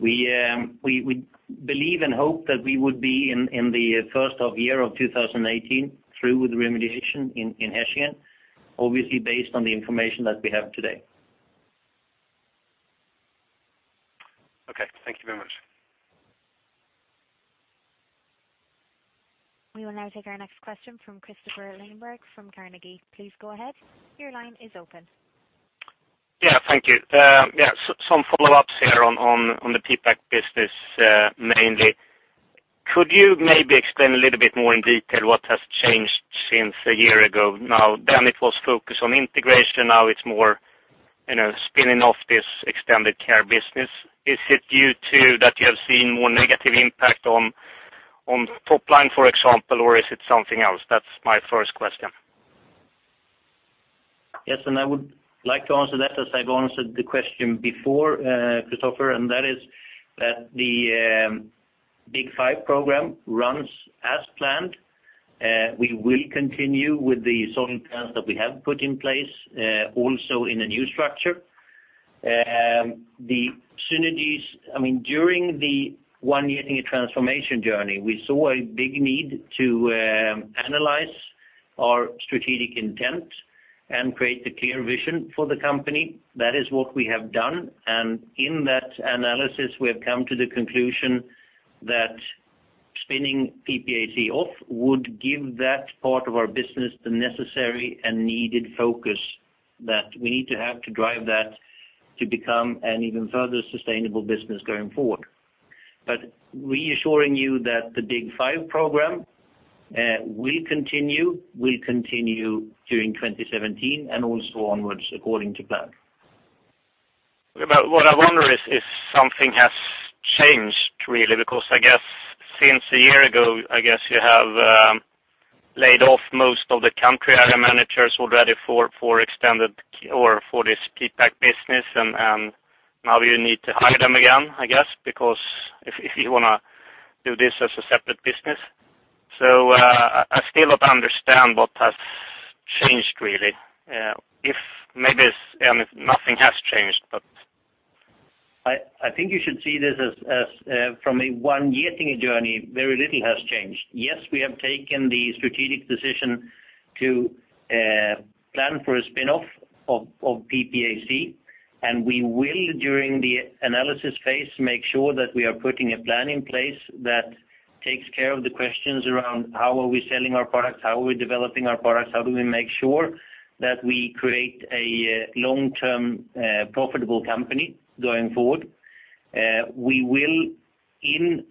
We believe and hope that we would be in the first half of 2018 through with the remediation in Hechingen, obviously, based on the information that we have today. Okay, thank you very much. We will now take our next question from Kristofer Liljeberg from Carnegie. Please go ahead. Your line is open. Yeah, thank you. Yeah, some follow-ups here on the PPAC business, mainly. Could you maybe explain a little bit more in detail what has changed since a year ago now? Then it was focused on integration, now it's more, you know, spinning off this extended care business. Is it due to that you have seen more negative impact on the top line, for example, or is it something else? That's my first question. Yes, and I would like to answer that as I've answered the question before, Christopher, and that is that the Big Five program runs as planned. We will continue with the saving plans that we have put in place, also in a new structure. The synergies, I mean, during the One Getinge transformation journey, we saw a big need to analyze our strategic intent and create a clear vision for the company. That is what we have done, and in that analysis, we have come to the conclusion that spinning PPAC off would give that part of our business the necessary and needed focus that we need to have to drive that to become an even further sustainable business going forward. But reassuring you that the Big Five program will continue, will continue during 2017 and also onwards according to plan. But what I wonder is, if something has changed, really, because I guess since a year ago, I guess you have laid off most of the country area managers already for, for extended or for this PPAC business, and, and now you need to hire them again, I guess, because if, if you wanna do this as a separate business. So, I still don't understand what has changed, really. If maybe, if nothing has changed, but- I think you should see this as, as, from a One Getinge journey, very little has changed. Yes, we have taken the strategic decision to plan for a spin-off of PPAC, and we will, during the analysis phase, make sure that we are putting a plan in place that takes care of the questions around how are we selling our products, how are we developing our products, how do we make sure that we create a long-term profitable company going forward? We will, in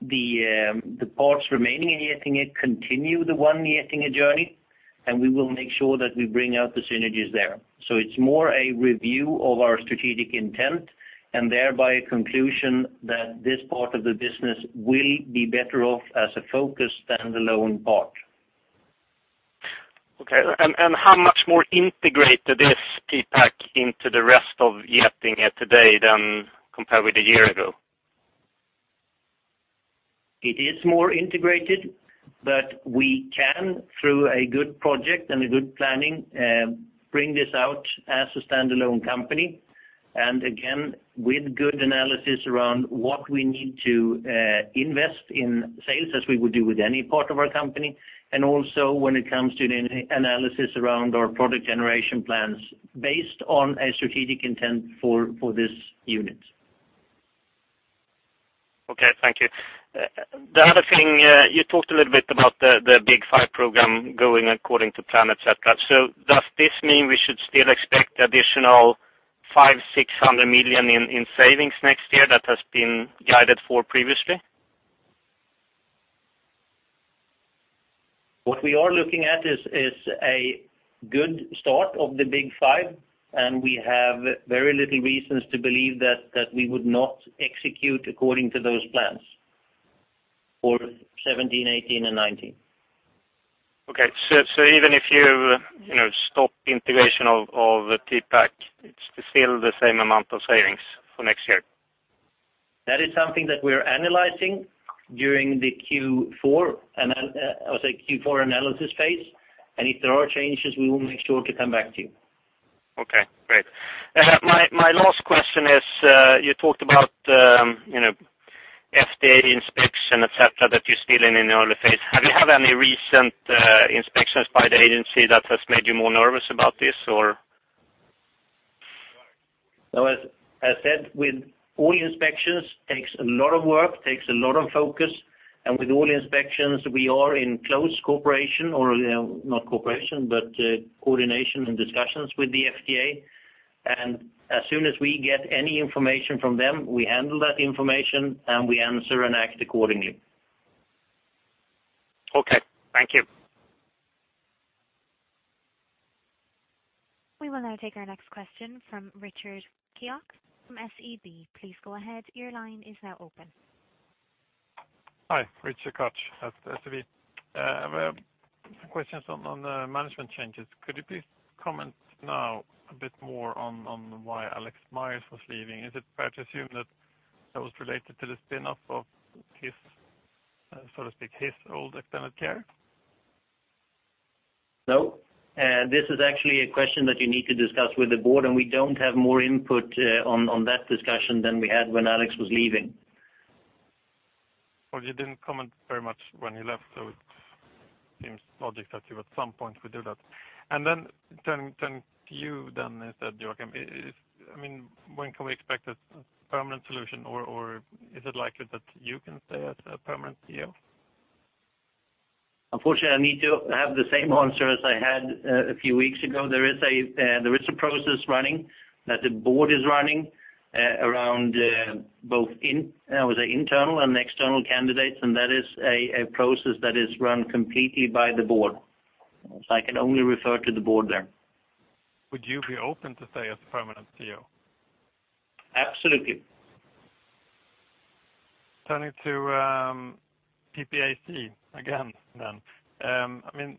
the parts remaining in Getinge, continue the One Getinge journey, and we will make sure that we bring out the synergies there. So it's more a review of our strategic intent, and thereby a conclusion that this part of the business will be better off as a focused standalone part. Okay, and how much more integrated is PPAC into the rest of Getinge today than compared with a year ago? It is more integrated, but we can, through a good project and a good planning, bring this out as a standalone company, and again, with good analysis around what we need to invest in sales, as we would do with any part of our company, and also when it comes to the analysis around our product generation plans, based on a strategic intent for this unit. Okay, thank you. The other thing, you talked a little bit about the, the Big Five program going according to plan, et cetera. So does this mean we should still expect additional 500 million-600 million in savings next year that has been guided for previously? What we are looking at is a good start of the Big Five, and we have very little reasons to believe that we would not execute according to those plans for 2017, 2018, and 2019. Okay, so even if you, you know, stop integration of PPAC, it's still the same amount of savings for next year? That is something that we're analyzing during the Q4 analysis phase, and if there are changes, we will make sure to come back to you. Okay. My last question is, you know, FDA inspection, et cetera, that you're still in the early phase. Have you had any recent inspections by the agency that has made you more nervous about this, or? No, as said, with all inspections, takes a lot of work, takes a lot of focus, and with all inspections, we are in close cooperation, or, not cooperation, but, coordination and discussions with the FDA. And as soon as we get any information from them, we handle that information, and we answer and act accordingly. Okay, thank you. We will now take our next question from Richard Keoch from SEB. Please go ahead, your line is now open. Hi, Richard Koch at SEB. We have some questions on, on the management changes. Could you please comment now a bit more on, on why Alex Myers was leaving? Is it fair to assume that that was related to the spin-off of his, so to speak, his old external care? No, this is actually a question that you need to discuss with the board, and we don't have more input on that discussion than we had when Alex was leaving. Well, you didn't comment very much when he left, so it seems logical that you at some point would do that. Then turning to you, instead, Joacim, I mean, when can we expect a permanent solution, or is it likely that you can stay as a permanent CEO? Unfortunately, I need to have the same answer as I had a few weeks ago. There is a process running that the board is running around both in- I would say, internal and external candidates, and that is a process that is run completely by the board. So I can only refer to the board there. Would you be open to stay as permanent CEO? Absolutely. Turning to PPAC again, then. I mean,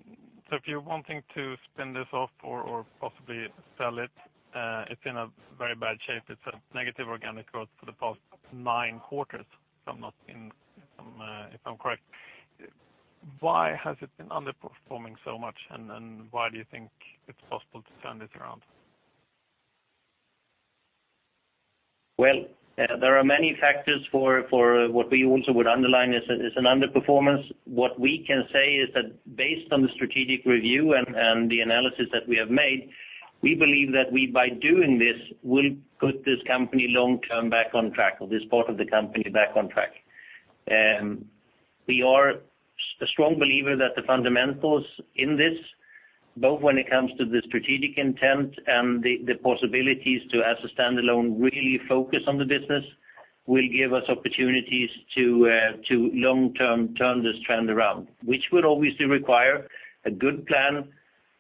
so if you're wanting to spin this off or possibly sell it, it's in a very bad shape. It's a negative organic growth for the past nine quarters, if I'm correct. Why has it been underperforming so much, and why do you think it's possible to turn this around? Well, there are many factors for what we also would underline as an underperformance. What we can say is that based on the strategic review and the analysis that we have made, we believe that we, by doing this, will put this company long-term back on track, or this part of the company back on track. We are a strong believer that the fundamentals in this, both when it comes to the strategic intent and the possibilities to, as a standalone, really focus on the business, will give us opportunities to long-term turn this trend around, which would obviously require a good plan,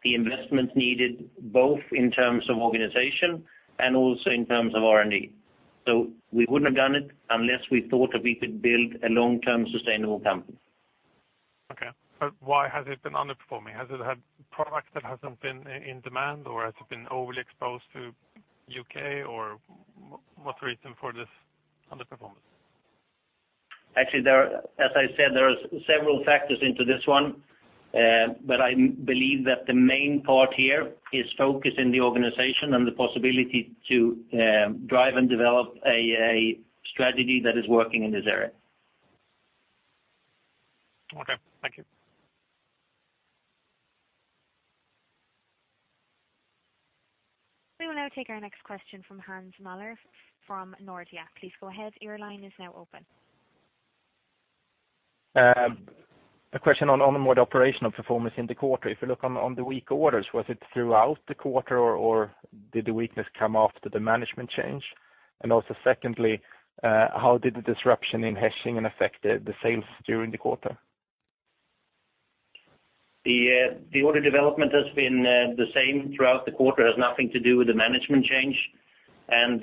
the investments needed, both in terms of organization and also in terms of R&D. So we wouldn't have done it unless we thought that we could build a long-term sustainable company. Okay, but why has it been underperforming? Has it had products that hasn't been in demand, or has it been overly exposed to U.K., or what's the reason for this underperformance? Actually, there are, as I said, there are several factors into this one, but I believe that the main part here is focus in the organization and the possibility to drive and develop a strategy that is working in this area. Okay, thank you. We will now take our next question from Hans Mähler from Nordea. Please go ahead, your line is now open. A question on the more operational performance in the quarter. If you look on the weak orders, was it throughout the quarter, or did the weakness come after the management change? Also, secondly, how did the disruption in Hechingen affect the sales during the quarter? The order development has been the same throughout the quarter. It has nothing to do with the management change, and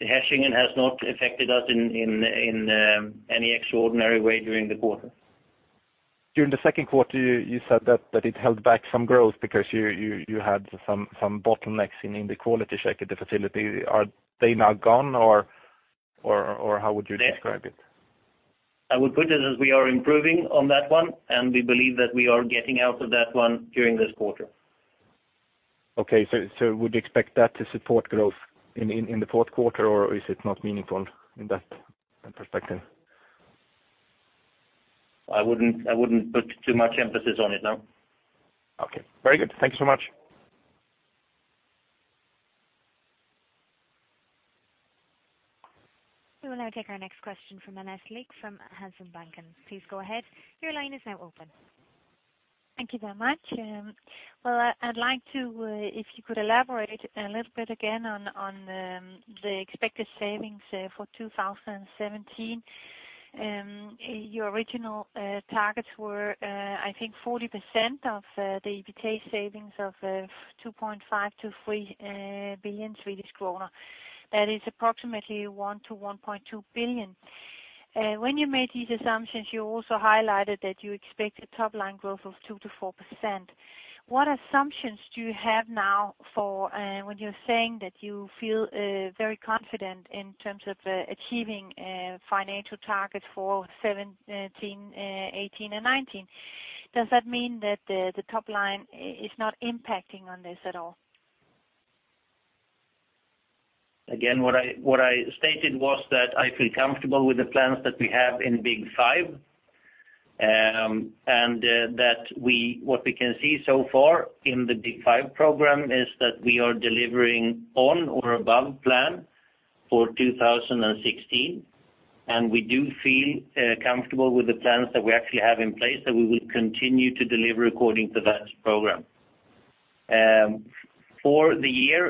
Hechingen has not affected us in any extraordinary way during the quarter. During the second quarter, you said that it held back some growth because you had some bottlenecks in the quality check at the facility. Are they now gone, or how would you describe it? I would put it as we are improving on that one, and we believe that we are getting out of that one during this quarter. Okay, so would you expect that to support growth in the fourth quarter, or is it not meaningful in that perspective? I wouldn't, I wouldn't put too much emphasis on it, no. Okay. Very good. Thank you so much. We will now take our next question from Annette Lykke from Handelsbanken. Please go ahead, your line is now open. Thank you very much. Well, I'd like to, if you could elaborate a little bit again on, on, the expected savings, for 2017. Your original targets were, I think 40% of, the EBITDA savings of, 2.5 billion-3 billion Swedish kronor. That is approximately 1 billion-1.2 billion. When you made these assumptions, you also highlighted that you expected top line growth of 2%-4%. What assumptions do you have now for, when you're saying that you feel, very confident in terms of, achieving, financial targets for 2017, 2018, and 2019? Does that mean that the top line is not impacting on this at all? Again, what I stated was that I feel comfortable with the plans that we have in Big Five. And that what we can see so far in the Big Five program is that we are delivering on or above plan for 2016. We do feel comfortable with the plans that we actually have in place, that we will continue to deliver according to that program. For the year,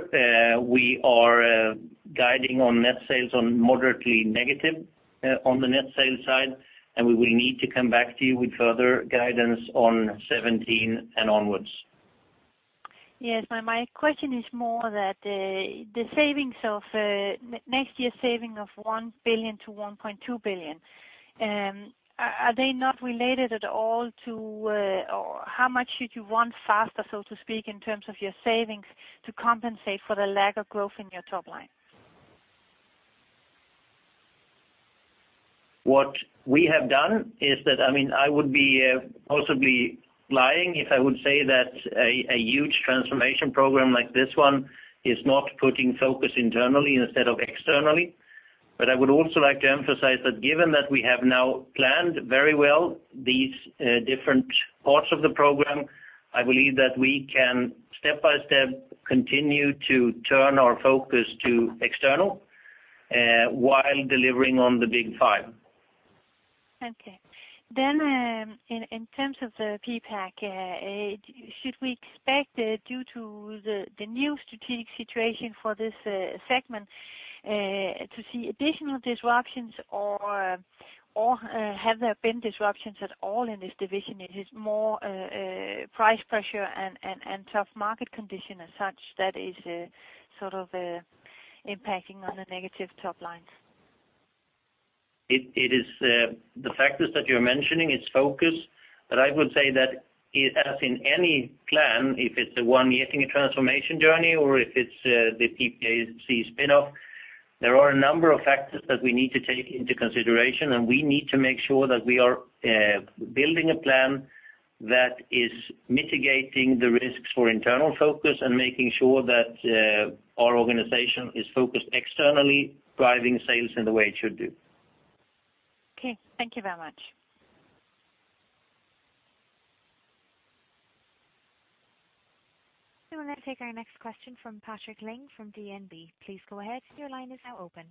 we are guiding on net sales on moderately negative, on the net sales side, and we will need to come back to you with further guidance on 2017 and onwards. Yes, my question is more that the savings of next year's saving of 1 billion-1.2 billion, are they not related at all to or how much should you want faster, so to speak, in terms of your savings, to compensate for the lack of growth in your top line? What we have done is that, I mean, I would be possibly lying if I would say that a huge transformation program like this one is not putting focus internally instead of externally. But I would also like to emphasize that given that we have now planned very well these different parts of the program, I believe that we can, step-by-step, continue to turn our focus to external while delivering on the Big Five. Okay. Then, in terms of the PPAC, should we expect, due to the new strategic situation for this segment, to see additional disruptions or have there been disruptions at all in this division? It is more price pressure and tough market condition as such that is sort of impacting on the negative top lines. It is the factors that you're mentioning, it's focus. But I would say that as in any plan, if it's a one-year transformation journey or if it's the PPAC spin-off, there are a number of factors that we need to take into consideration, and we need to make sure that we are building a plan that is mitigating the risks for internal focus and making sure that our organization is focused externally, driving sales in the way it should do. Okay, thank you very much. We will now take our next question from Patrik Ling from DNB. Please go ahead. Your line is now open.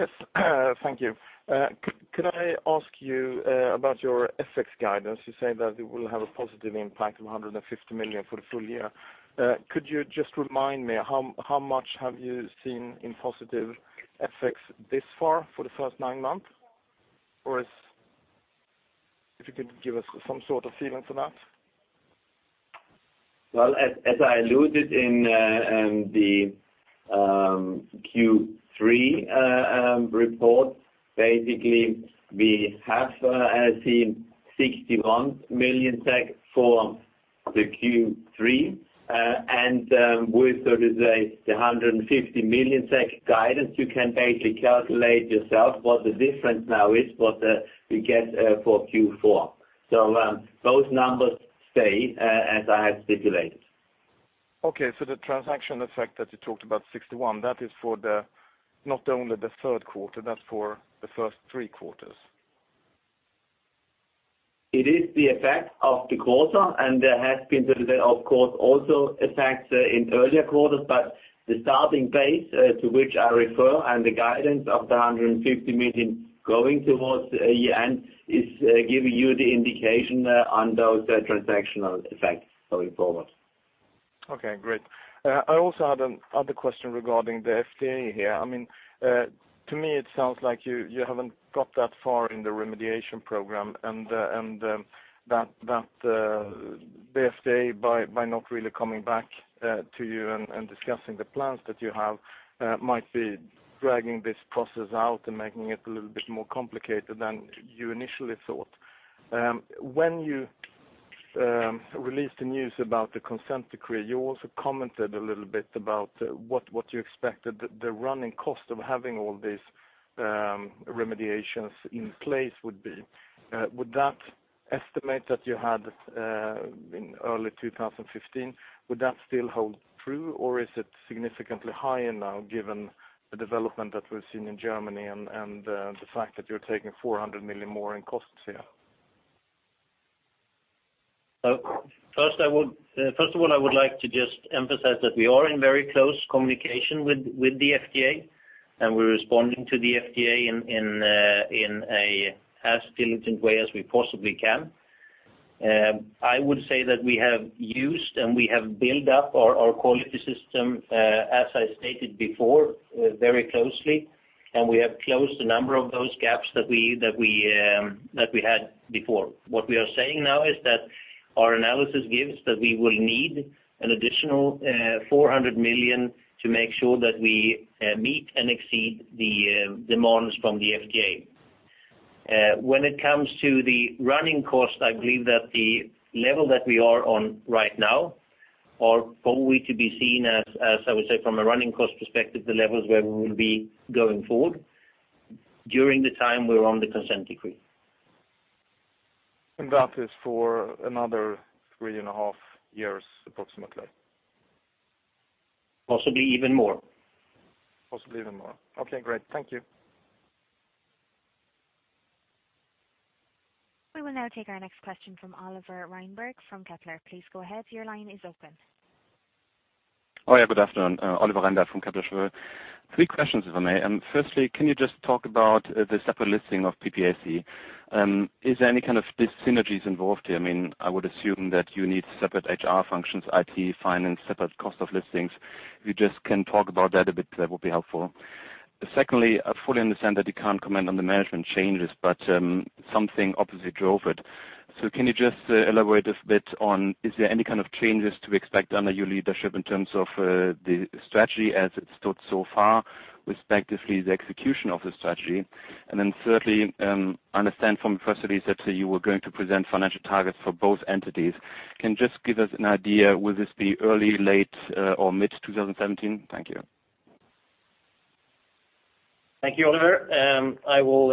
Yes, thank you. Could I ask you about your FX guidance? You say that it will have a positive impact of 150 million for the full year. Could you just remind me, how much have you seen in positive FX this far for the first nine months? Or if you could give us some sort of feeling for that. Well, as I alluded in the Q3 report, basically, we have seen 61 million SEK for the Q3. And, with, so to say, the 150 million SEK guidance, you can basically calculate yourself what the difference now is, what we get for Q4. So, those numbers stay as I have stipulated. Okay, so the transaction effect that you talked about, 61, that is for not only the third quarter, that's for the first three quarters. It is the effect of the quarter, and there has been, so there, of course, also effects in earlier quarters, but the starting base, to which I refer, and the guidance of 150 million going towards the end, is giving you the indication on those transactional effects going forward. Okay, great. I also had another question regarding the FDA here. I mean, to me, it sounds like you haven't got that far in the remediation program, and that the FDA, by not really coming back to you and discussing the plans that you have, might be dragging this process out and making it a little bit more complicated than you initially thought. When you released the news about the consent decree, you also commented a little bit about what you expected the running cost of having all these remediations in place would be. Would that estimate that you had in early 2015, would that still hold true, or is it significantly higher now, given the development that we've seen in Germany and the fact that you're taking 400 million more in costs here? First of all, I would like to just emphasize that we are in very close communication with the FDA, and we're responding to the FDA in as diligent a way as we possibly can. I would say that we have used and we have built up our quality system, as I stated before, very closely, and we have closed a number of those gaps that we had before. What we are saying now is that our analysis gives that we will need an additional 400 million to make sure that we meet and exceed the demands from the FDA. When it comes to the running cost, I believe that the level that we are on right now are probably to be seen as, I would say, from a running cost perspective, the levels where we will be going forward during the time we're on the Consent Decree. That is for another 3.5 years, approximately? Possibly even more. Possibly even more. Okay, great. Thank you. We will now take our next question from Oliver Reinberg from Kepler. Please go ahead. Your line is open. Oh, yeah, good afternoon. Oliver Reinberg from Kepler Cheuvreux. Three questions, if I may. Firstly, can you just talk about the separate listing of PPAC? Is there any kind of dis-synergies involved here? I mean, I would assume that you need separate HR functions, IT, finance, separate cost of listings. If you just can talk about that a bit, that would be helpful. Secondly, I fully understand that you can't comment on the management changes, but something obviously drove it. So can you just elaborate a bit on, is there any kind of changes to expect under your leadership in terms of the strategy as it stood so far, respectively, the execution of the strategy? And then thirdly, I understand from press release that you were going to present financial targets for both entities. Can you just give us an idea, will this be early, late, or mid-2017? Thank you. Thank you, Oliver. I will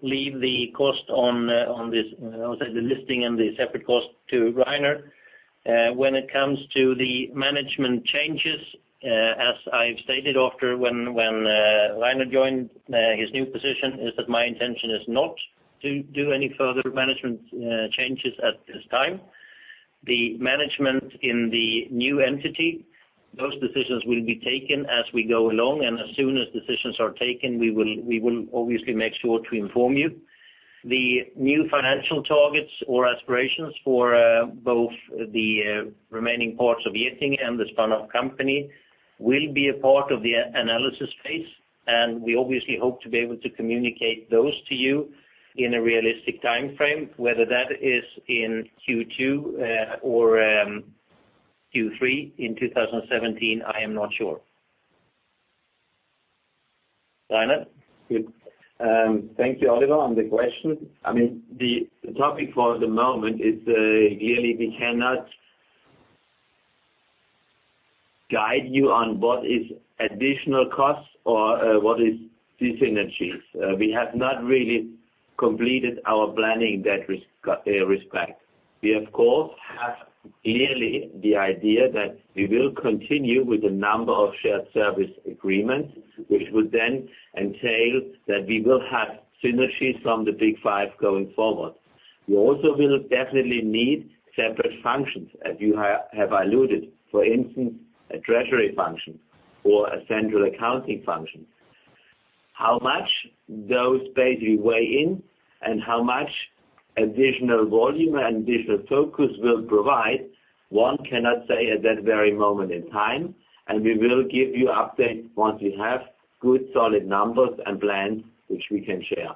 leave the cost on on this, I would say, the listing and the separate cost to Reinhard. When it comes to the management changes, as I've stated after, when Reinhard joined his new position, is that my intention is not to do any further management changes at this time. The management in the new entity, those decisions will be taken as we go along, and as soon as decisions are taken, we will obviously make sure to inform you. The new financial targets or aspirations for both the remaining parts of Getinge and the spin-off company, will be a part of the analysis phase, and we obviously hope to be able to communicate those to you in a realistic time frame. Whether that is in Q2 or Q3 in 2017, I am not sure. Reinhard? Good. Thank you, Oliver, on the question. I mean, the topic for the moment is, clearly we cannot guide you on what is additional costs or, what is the synergies. We have not really completed our planning in that respect. We, of course, have clearly the idea that we will continue with the number of shared service agreements, which would then entail that we will have synergies from the Big Five going forward. We also will definitely need separate functions, as you have alluded, for instance, a treasury function or a central accounting function. How much those basically weigh in and how much additional volume and business focus will provide, one cannot say at that very moment in time, and we will give you updates once we have good, solid numbers and plans which we can share.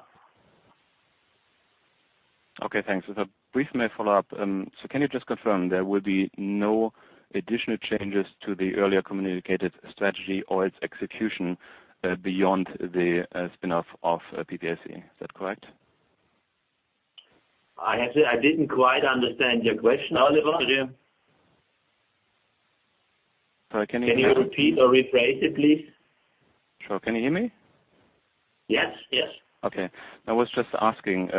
Okay, thanks. So, briefly, may I follow up? So, can you just confirm there will be no additional changes to the earlier communicated strategy or its execution, beyond the spin-off of PPAC? Is that correct? I didn't quite understand your question, Oliver. Sorry, can you- Can you repeat or rephrase it, please? Sure. Can you hear me? Yes. Yes. Okay. I was just asking,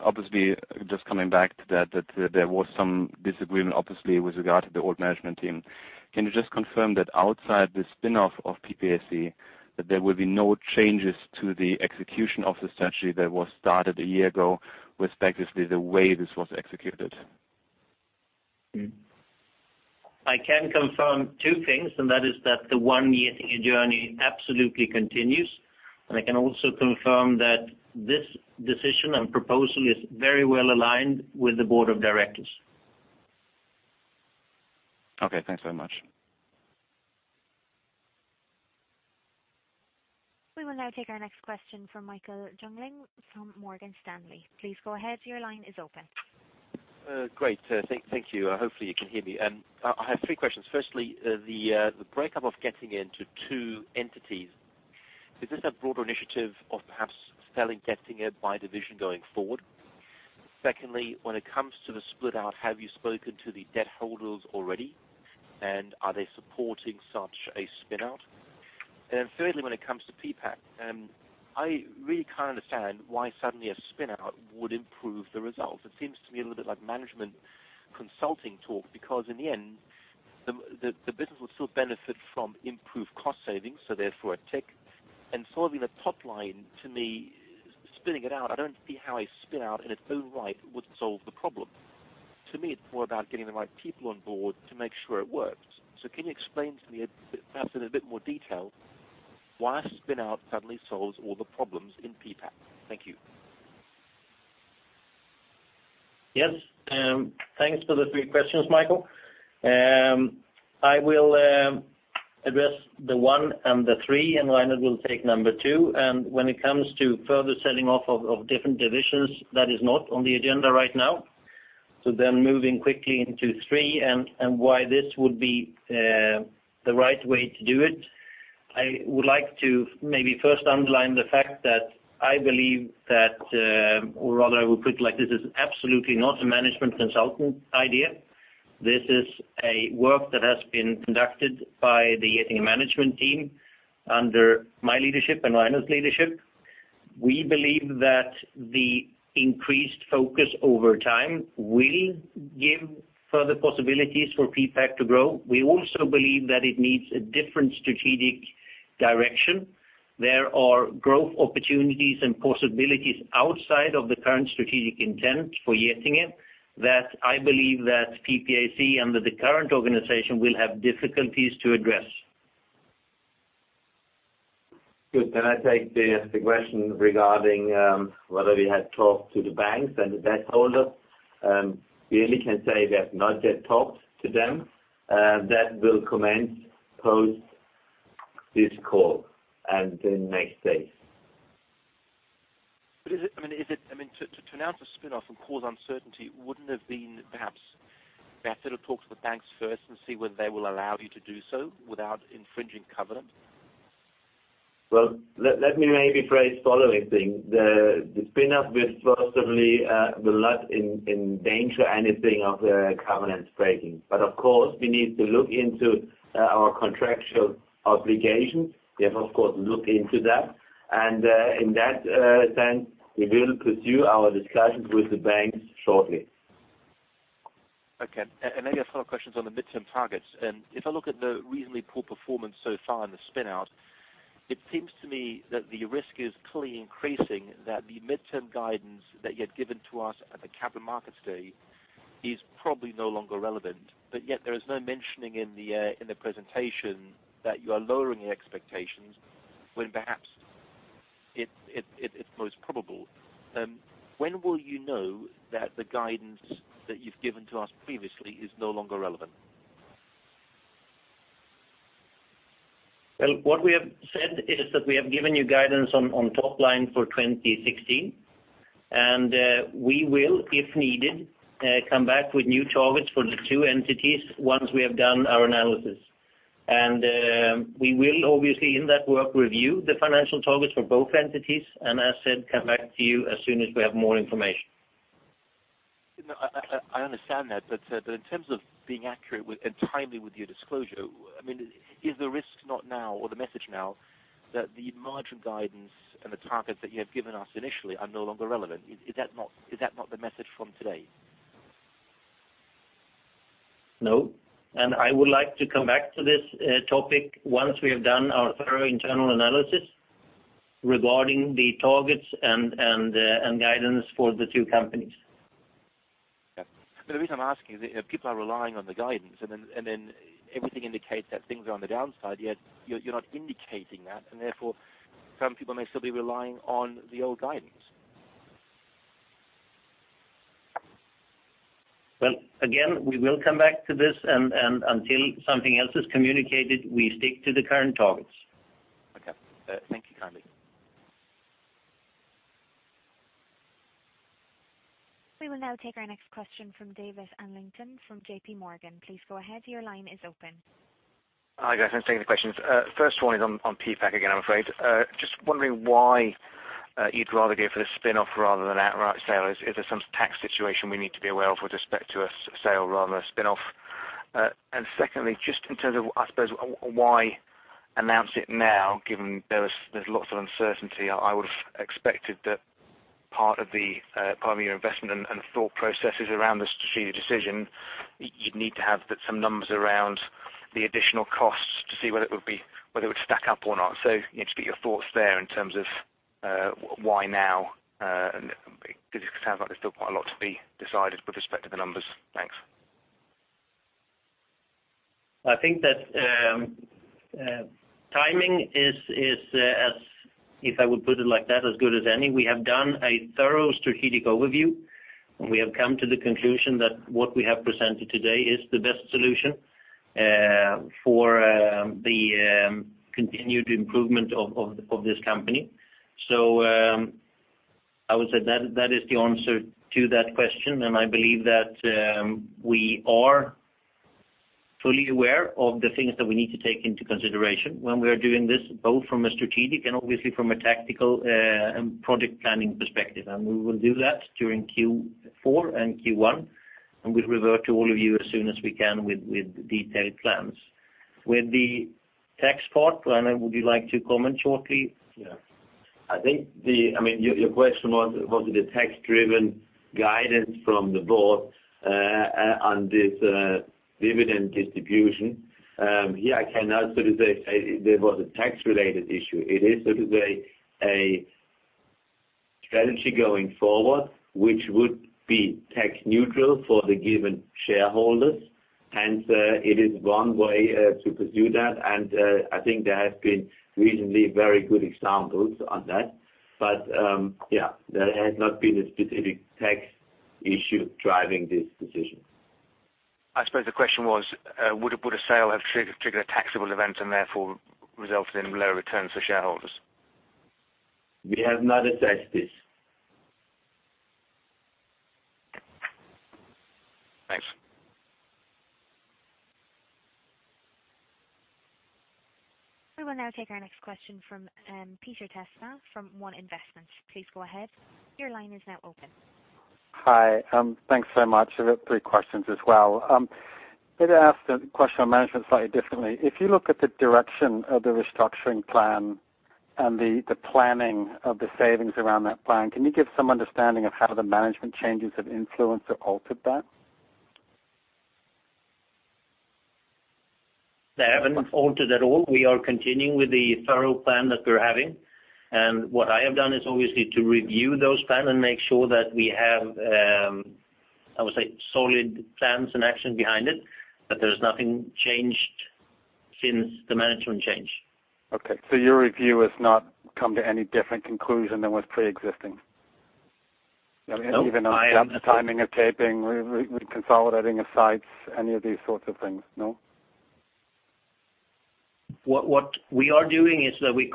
obviously, just coming back to that, that there was some disagreement, obviously, with regard to the old management team. Can you just confirm that outside the spin-off of PPAC, that there will be no changes to the execution of the strategy that was started a year ago, respectively, the way this was executed? I can confirm two things, and that is that the One Getinge journey absolutely continues, and I can also confirm that this decision and proposal is very well aligned with the board of directors. Okay, thanks very much. We will now take our next question from Michael Jüngling from Morgan Stanley. Please go ahead, your line is open. Great. Thank you. Hopefully you can hear me. I have three questions. Firstly, the breakup of Getinge into two entities, is this a broader initiative of perhaps selling Getinge by division going forward? Secondly, when it comes to the split out, have you spoken to the debt holders already, and are they supporting such a spin-out? And then thirdly, when it comes to PPAC, I really can't understand why suddenly a spin-out would improve the results. It seems to me a little bit like management consulting talk, because in the end, the business will still benefit from improved cost savings, so therefore, a tick. And solving the top line, to me, spinning it out, I don't see how a spin-out in its own right would solve the problem. To me, it's more about getting the right people on board to make sure it works. So can you explain to me, perhaps in a bit more detail, why a spin-out suddenly solves all the problems in PPAC? Thank you. Yes, thanks for the three questions, Michael. I will address the one and the three, and Reinhard will take number two. When it comes to further selling off of different divisions, that is not on the agenda right now. So then moving quickly into three and why this would be the right way to do it. I would like to maybe first underline the fact that I believe that. Or rather, I will put it like this, is absolutely not a management consultant idea. This is a work that has been conducted by the Getinge management team under my leadership and Reinhard's leadership. We believe that the increased focus over time will give further possibilities for PPAC to grow. We also believe that it needs a different strategic direction. There are growth opportunities and possibilities outside of the current strategic intent for Getinge, that I believe that PPAC, under the current organization, will have difficulties to address. Good. Can I take the question regarding whether we have talked to the banks and the debt holder? We only can say we have not yet talked to them. That will commence post this call and in the next days. But is it, I mean, to announce a spin-off and cause uncertainty, wouldn't have been perhaps better to talk to the banks first and see whether they will allow you to do so without infringing covenant? Well, let me maybe phrase the following thing. The spin-off will possibly not endanger anything of the covenant breaking. But of course, we need to look into our contractual obligations. We have, of course, looked into that. And in that sense, we will pursue our discussions with the banks shortly. Okay. And I guess follow-up questions on the midterm targets. If I look at the reasonably poor performance so far in the spin-out, it seems to me that the risk is clearly increasing, that the midterm guidance that you had given to us at the Capital Markets Day is probably no longer relevant. But yet there is no mentioning in the presentation that you are lowering your expectations when perhaps it's most probable. When will you know that the guidance that you've given to us previously is no longer relevant? Well, what we have said is that we have given you guidance on top line for 2016. We will, if needed, come back with new targets for the two entities once we have done our analysis. We will obviously, in that work, review the financial targets for both entities, and as said, come back to you as soon as we have more information. No, I understand that, but in terms of being accurate with, and timely with your disclosure, I mean, is the risk not now or the message now that the margin guidance and the targets that you have given us initially are no longer relevant? Is that not the message from today? No, and I would like to come back to this topic once we have done our thorough internal analysis regarding the targets and guidance for the two companies. Yeah. The reason I'm asking is, people are relying on the guidance, and then, and then everything indicates that things are on the downside, yet you're, you're not indicating that, and therefore, some people may still be relying on the old guidance. Well, again, we will come back to this and, and until something else is communicated, we stick to the current targets. Okay. Thank you kindly. We will now take our next question from David Adlington from JP Morgan. Please go ahead, your line is open. Hi, guys, thanks for taking the questions. First one is on PPAC again, I'm afraid. Just wondering why you'd rather go for the spin-off rather than outright sale. Is there some tax situation we need to be aware of with respect to a sale rather than a spin-off? And secondly, just in terms of, I suppose, why announce it now, given there's lots of uncertainty, I would have expected that part of the part of your investment and thought processes around the strategic decision, you'd need to have some numbers around the additional costs to see whether it would stack up or not. So just your thoughts there in terms of why now? And it sounds like there's still quite a lot to be decided with respect to the numbers. Thanks. I think that timing is as if I would put it like that, as good as any. We have done a thorough strategic overview, and we have come to the conclusion that what we have presented today is the best solution for the continued improvement of this company. So, I would say that is the answer to that question, and I believe that we are fully aware of the things that we need to take into consideration when we are doing this, both from a strategic and obviously from a tactical and project planning perspective. And we will do that during Q4 and Q1, and we'll revert to all of you as soon as we can with detailed plans. With the tax part, Reinhard, would you like to comment shortly? Yeah. I think... I mean, your question was, was it a tax-driven guidance from the board, on this dividend distribution? Here I cannot sort of say there was a tax-related issue. It is sort of a strategy going forward, which would be tax neutral for the given shareholders, hence, it is one way to pursue that, and I think there have been recently very good examples on that. But, yeah, there has not been a specific tax issue driving this decision. I suppose the question was, would a sale have triggered a taxable event and therefore resulted in lower returns for shareholders? We have not assessed this. Thanks. We will now take our next question from Peter Testa, from One Investments. Please go ahead. Your line is now open. Hi, thanks so much. I've got three questions as well. Maybe ask the question on management slightly differently. If you look at the direction of the restructuring plan and the planning of the savings around that plan, can you give some understanding of how the management changes have influenced or altered that? They haven't altered at all. We are continuing with the thorough plan that we're having, and what I have done is obviously to review those plan and make sure that we have, I would say, solid plans and action behind it. But there's nothing changed since the management change. Okay, so your review has not come to any different conclusion than was preexisting? No, I am- Even on the timing of taping, re-consolidating of sites, any of these sorts of things, no? What we are doing is that we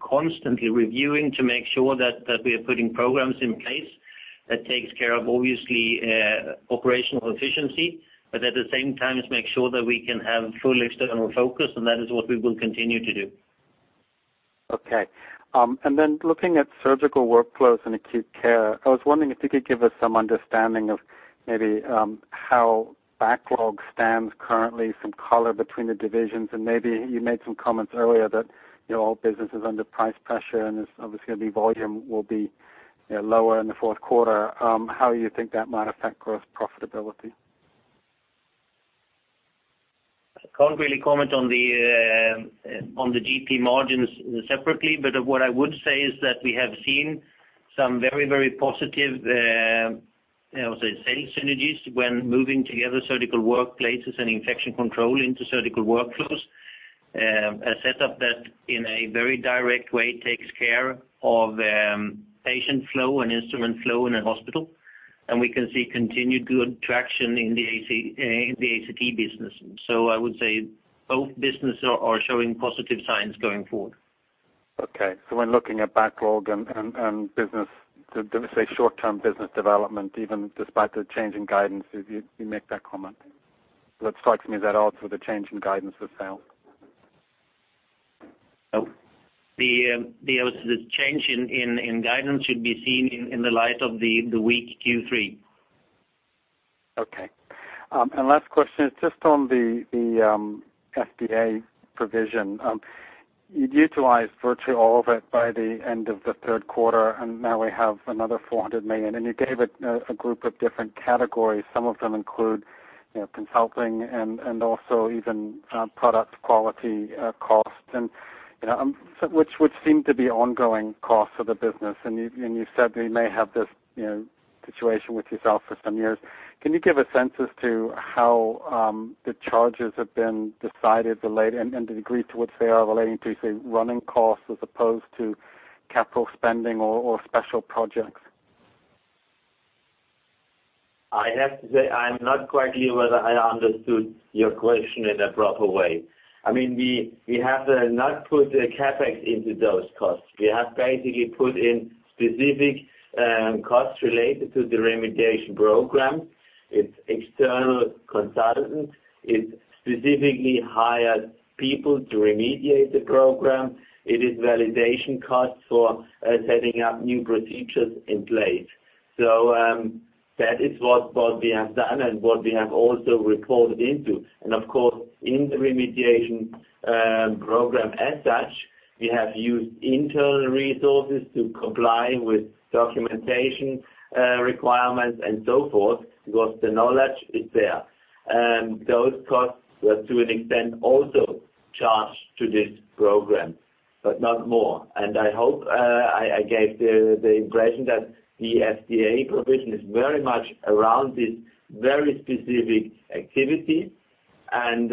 constantly reviewing to make sure that we are putting programs in place that takes care of, obviously, operational efficiency, but at the same time, make sure that we can have full external focus, and that is what we will continue to do. Okay, and then looking at Surgical Workflows and Acute Care, I was wondering if you could give us some understanding of maybe how backlog stands currently, some color between the divisions, and maybe you made some comments earlier that, you know, all business is under price pressure, and it's obviously volume will be, you know, lower in the fourth quarter. How you think that might affect growth profitability? I can't really comment on the, on the GP margins separately, but what I would say is that we have seen some very, very positive, I would say, sales synergies when moving together Surgical Workplaces and Infection Control into Surgical Workflows. A setup that, in a very direct way, takes care of, patient flow and instrument flow in a hospital, and we can see continued good traction in the AC, in the ACT business. So I would say both business are showing positive signs going forward. Okay, so when looking at backlog and business, let's say, short-term business development, even despite the change in guidance, you make that comment. So it strikes me that odds with a change in guidance would sell. No. The change in guidance should be seen in the light of the weak Q3. Okay. And last question, just on the FDA provision. You'd utilized virtually all of it by the end of the third quarter, and now we have another 400 million, and you gave it a group of different categories. Some of them include, you know, consulting and also even product quality costs, and which seem to be ongoing costs of the business. And you said we may have this, you know, situation with yourself for some years. Can you give a sense as to how the charges have been decided related and the degree to which they are relating to, say, running costs as opposed to capital spending or special projects? I have to say, I'm not quite clear whether I understood your question in a proper way. I mean, we have to not put the CapEx into those costs. We have basically put in specific costs related to the remediation program. It's external consultants. It's specifically hired people to remediate the program. It is validation costs for setting up new procedures in place. So, that is what we have done and what we have also reported into. And of course, in the remediation program as such, we have used internal resources to comply with documentation requirements and so forth, because the knowledge is there. And those costs were, to an extent, also charged to this program, but not more. I hope I gave the impression that the FDA provision is very much around this very specific activity and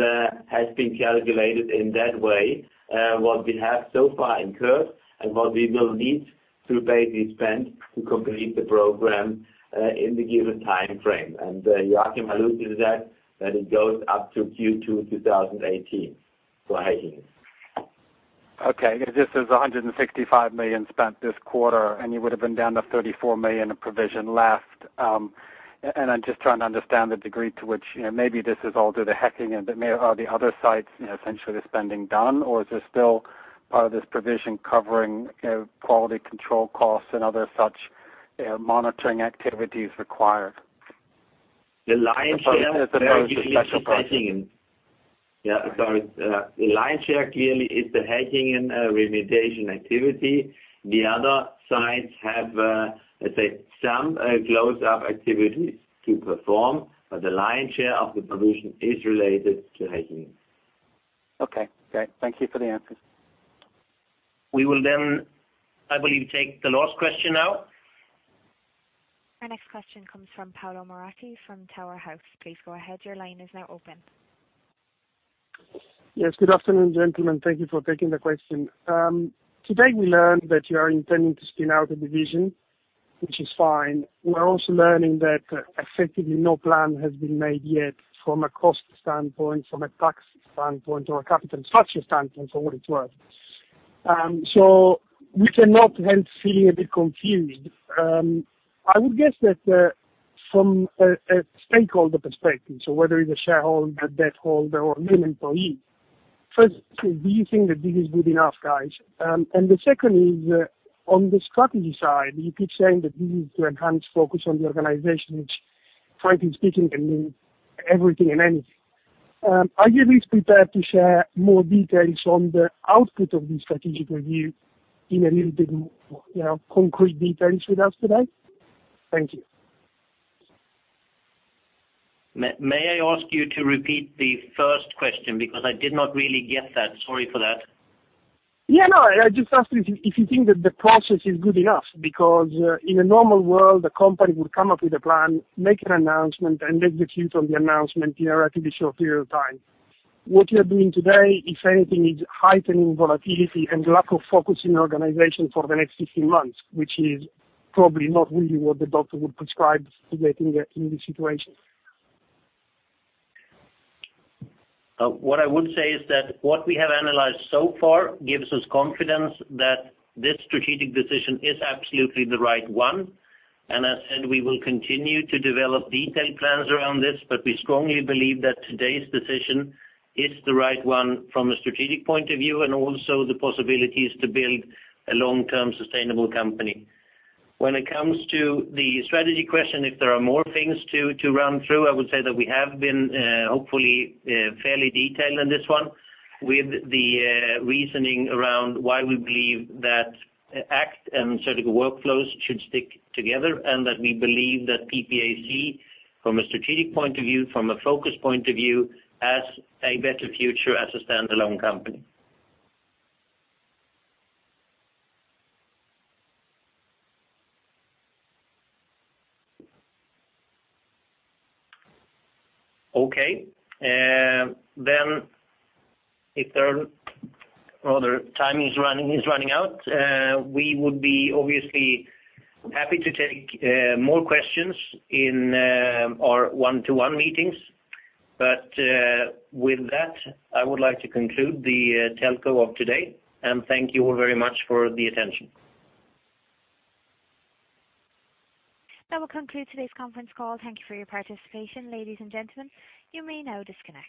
has been calculated in that way, what we have so far incurred and what we will need to basically spend to complete the program in the given timeframe. Joacim alluded to that, that it goes up to Q2 2018. So hey. Okay, this is 165 million spent this quarter, and you would have been down to 34 million in provision last, and I'm just trying to understand the degree to which, you know, maybe this is all due to hacking, and may, are the other sites, you know, essentially the spending done, or is there still part of this provision covering, you know, quality control costs and other such, monitoring activities required? The lion's share- Yeah. Sorry, the lion's share clearly is the hacking and, remediation activity. The other sites have, let's say, some, close-up activities to perform, but the lion's share of the pollution is related to hacking. Okay. Great, thank you for the answers. We will then, I believe, take the last question now. Our next question comes from Paolo Moratti, from Tower House. Please go ahead. Your line is now open. Yes, good afternoon, gentlemen. Thank you for taking the question. Today we learned that you are intending to spin out a division, which is fine. We're also learning that effectively, no plan has been made yet from a cost standpoint, from a tax standpoint, or a capital structure standpoint, for what it's worth... So we cannot help feeling a bit confused. I would guess that from a stakeholder perspective, so whether it's a shareholder, a debtholder, or an employee, first, do you think that this is good enough, guys? And the second is on the strategy side, you keep saying that you need to enhance focus on the organization, which, frankly speaking, can mean everything and anything. Are you at least prepared to share more details on the output of the strategic review in a little bit more, you know, concrete details with us today? Thank you. May, may I ask you to repeat the first question? Because I did not really get that. Sorry for that. Yeah, no, I just asked if you, if you think that the process is good enough, because, in a normal world, the company would come up with a plan, make an announcement, and execute on the announcement in a relatively short period of time. What you are doing today, if anything, is heightening volatility and lack of focus in organization for the next 15 months, which is probably not really what the doctor would prescribe to Getinge in this situation. What I would say is that what we have analyzed so far gives us confidence that this strategic decision is absolutely the right one, and as said, we will continue to develop detailed plans around this. But we strongly believe that today's decision is the right one from a strategic point of view, and also the possibilities to build a long-term sustainable company. When it comes to the strategy question, if there are more things to run through, I would say that we have been, hopefully, fairly detailed on this one, with the reasoning around why we believe that ACT and surgical workflows should stick together, and that we believe that PPAC, from a strategic point of view, from a focus point of view, has a better future as a standalone company. Okay. Then if there... Well, the time is running, is running out. We would be obviously happy to take more questions in our one-to-one meetings, but with that, I would like to conclude the telco of today, and thank you all very much for the attention. That will conclude today's conference call. Thank you for your participation, ladies and gentlemen. You may now disconnect.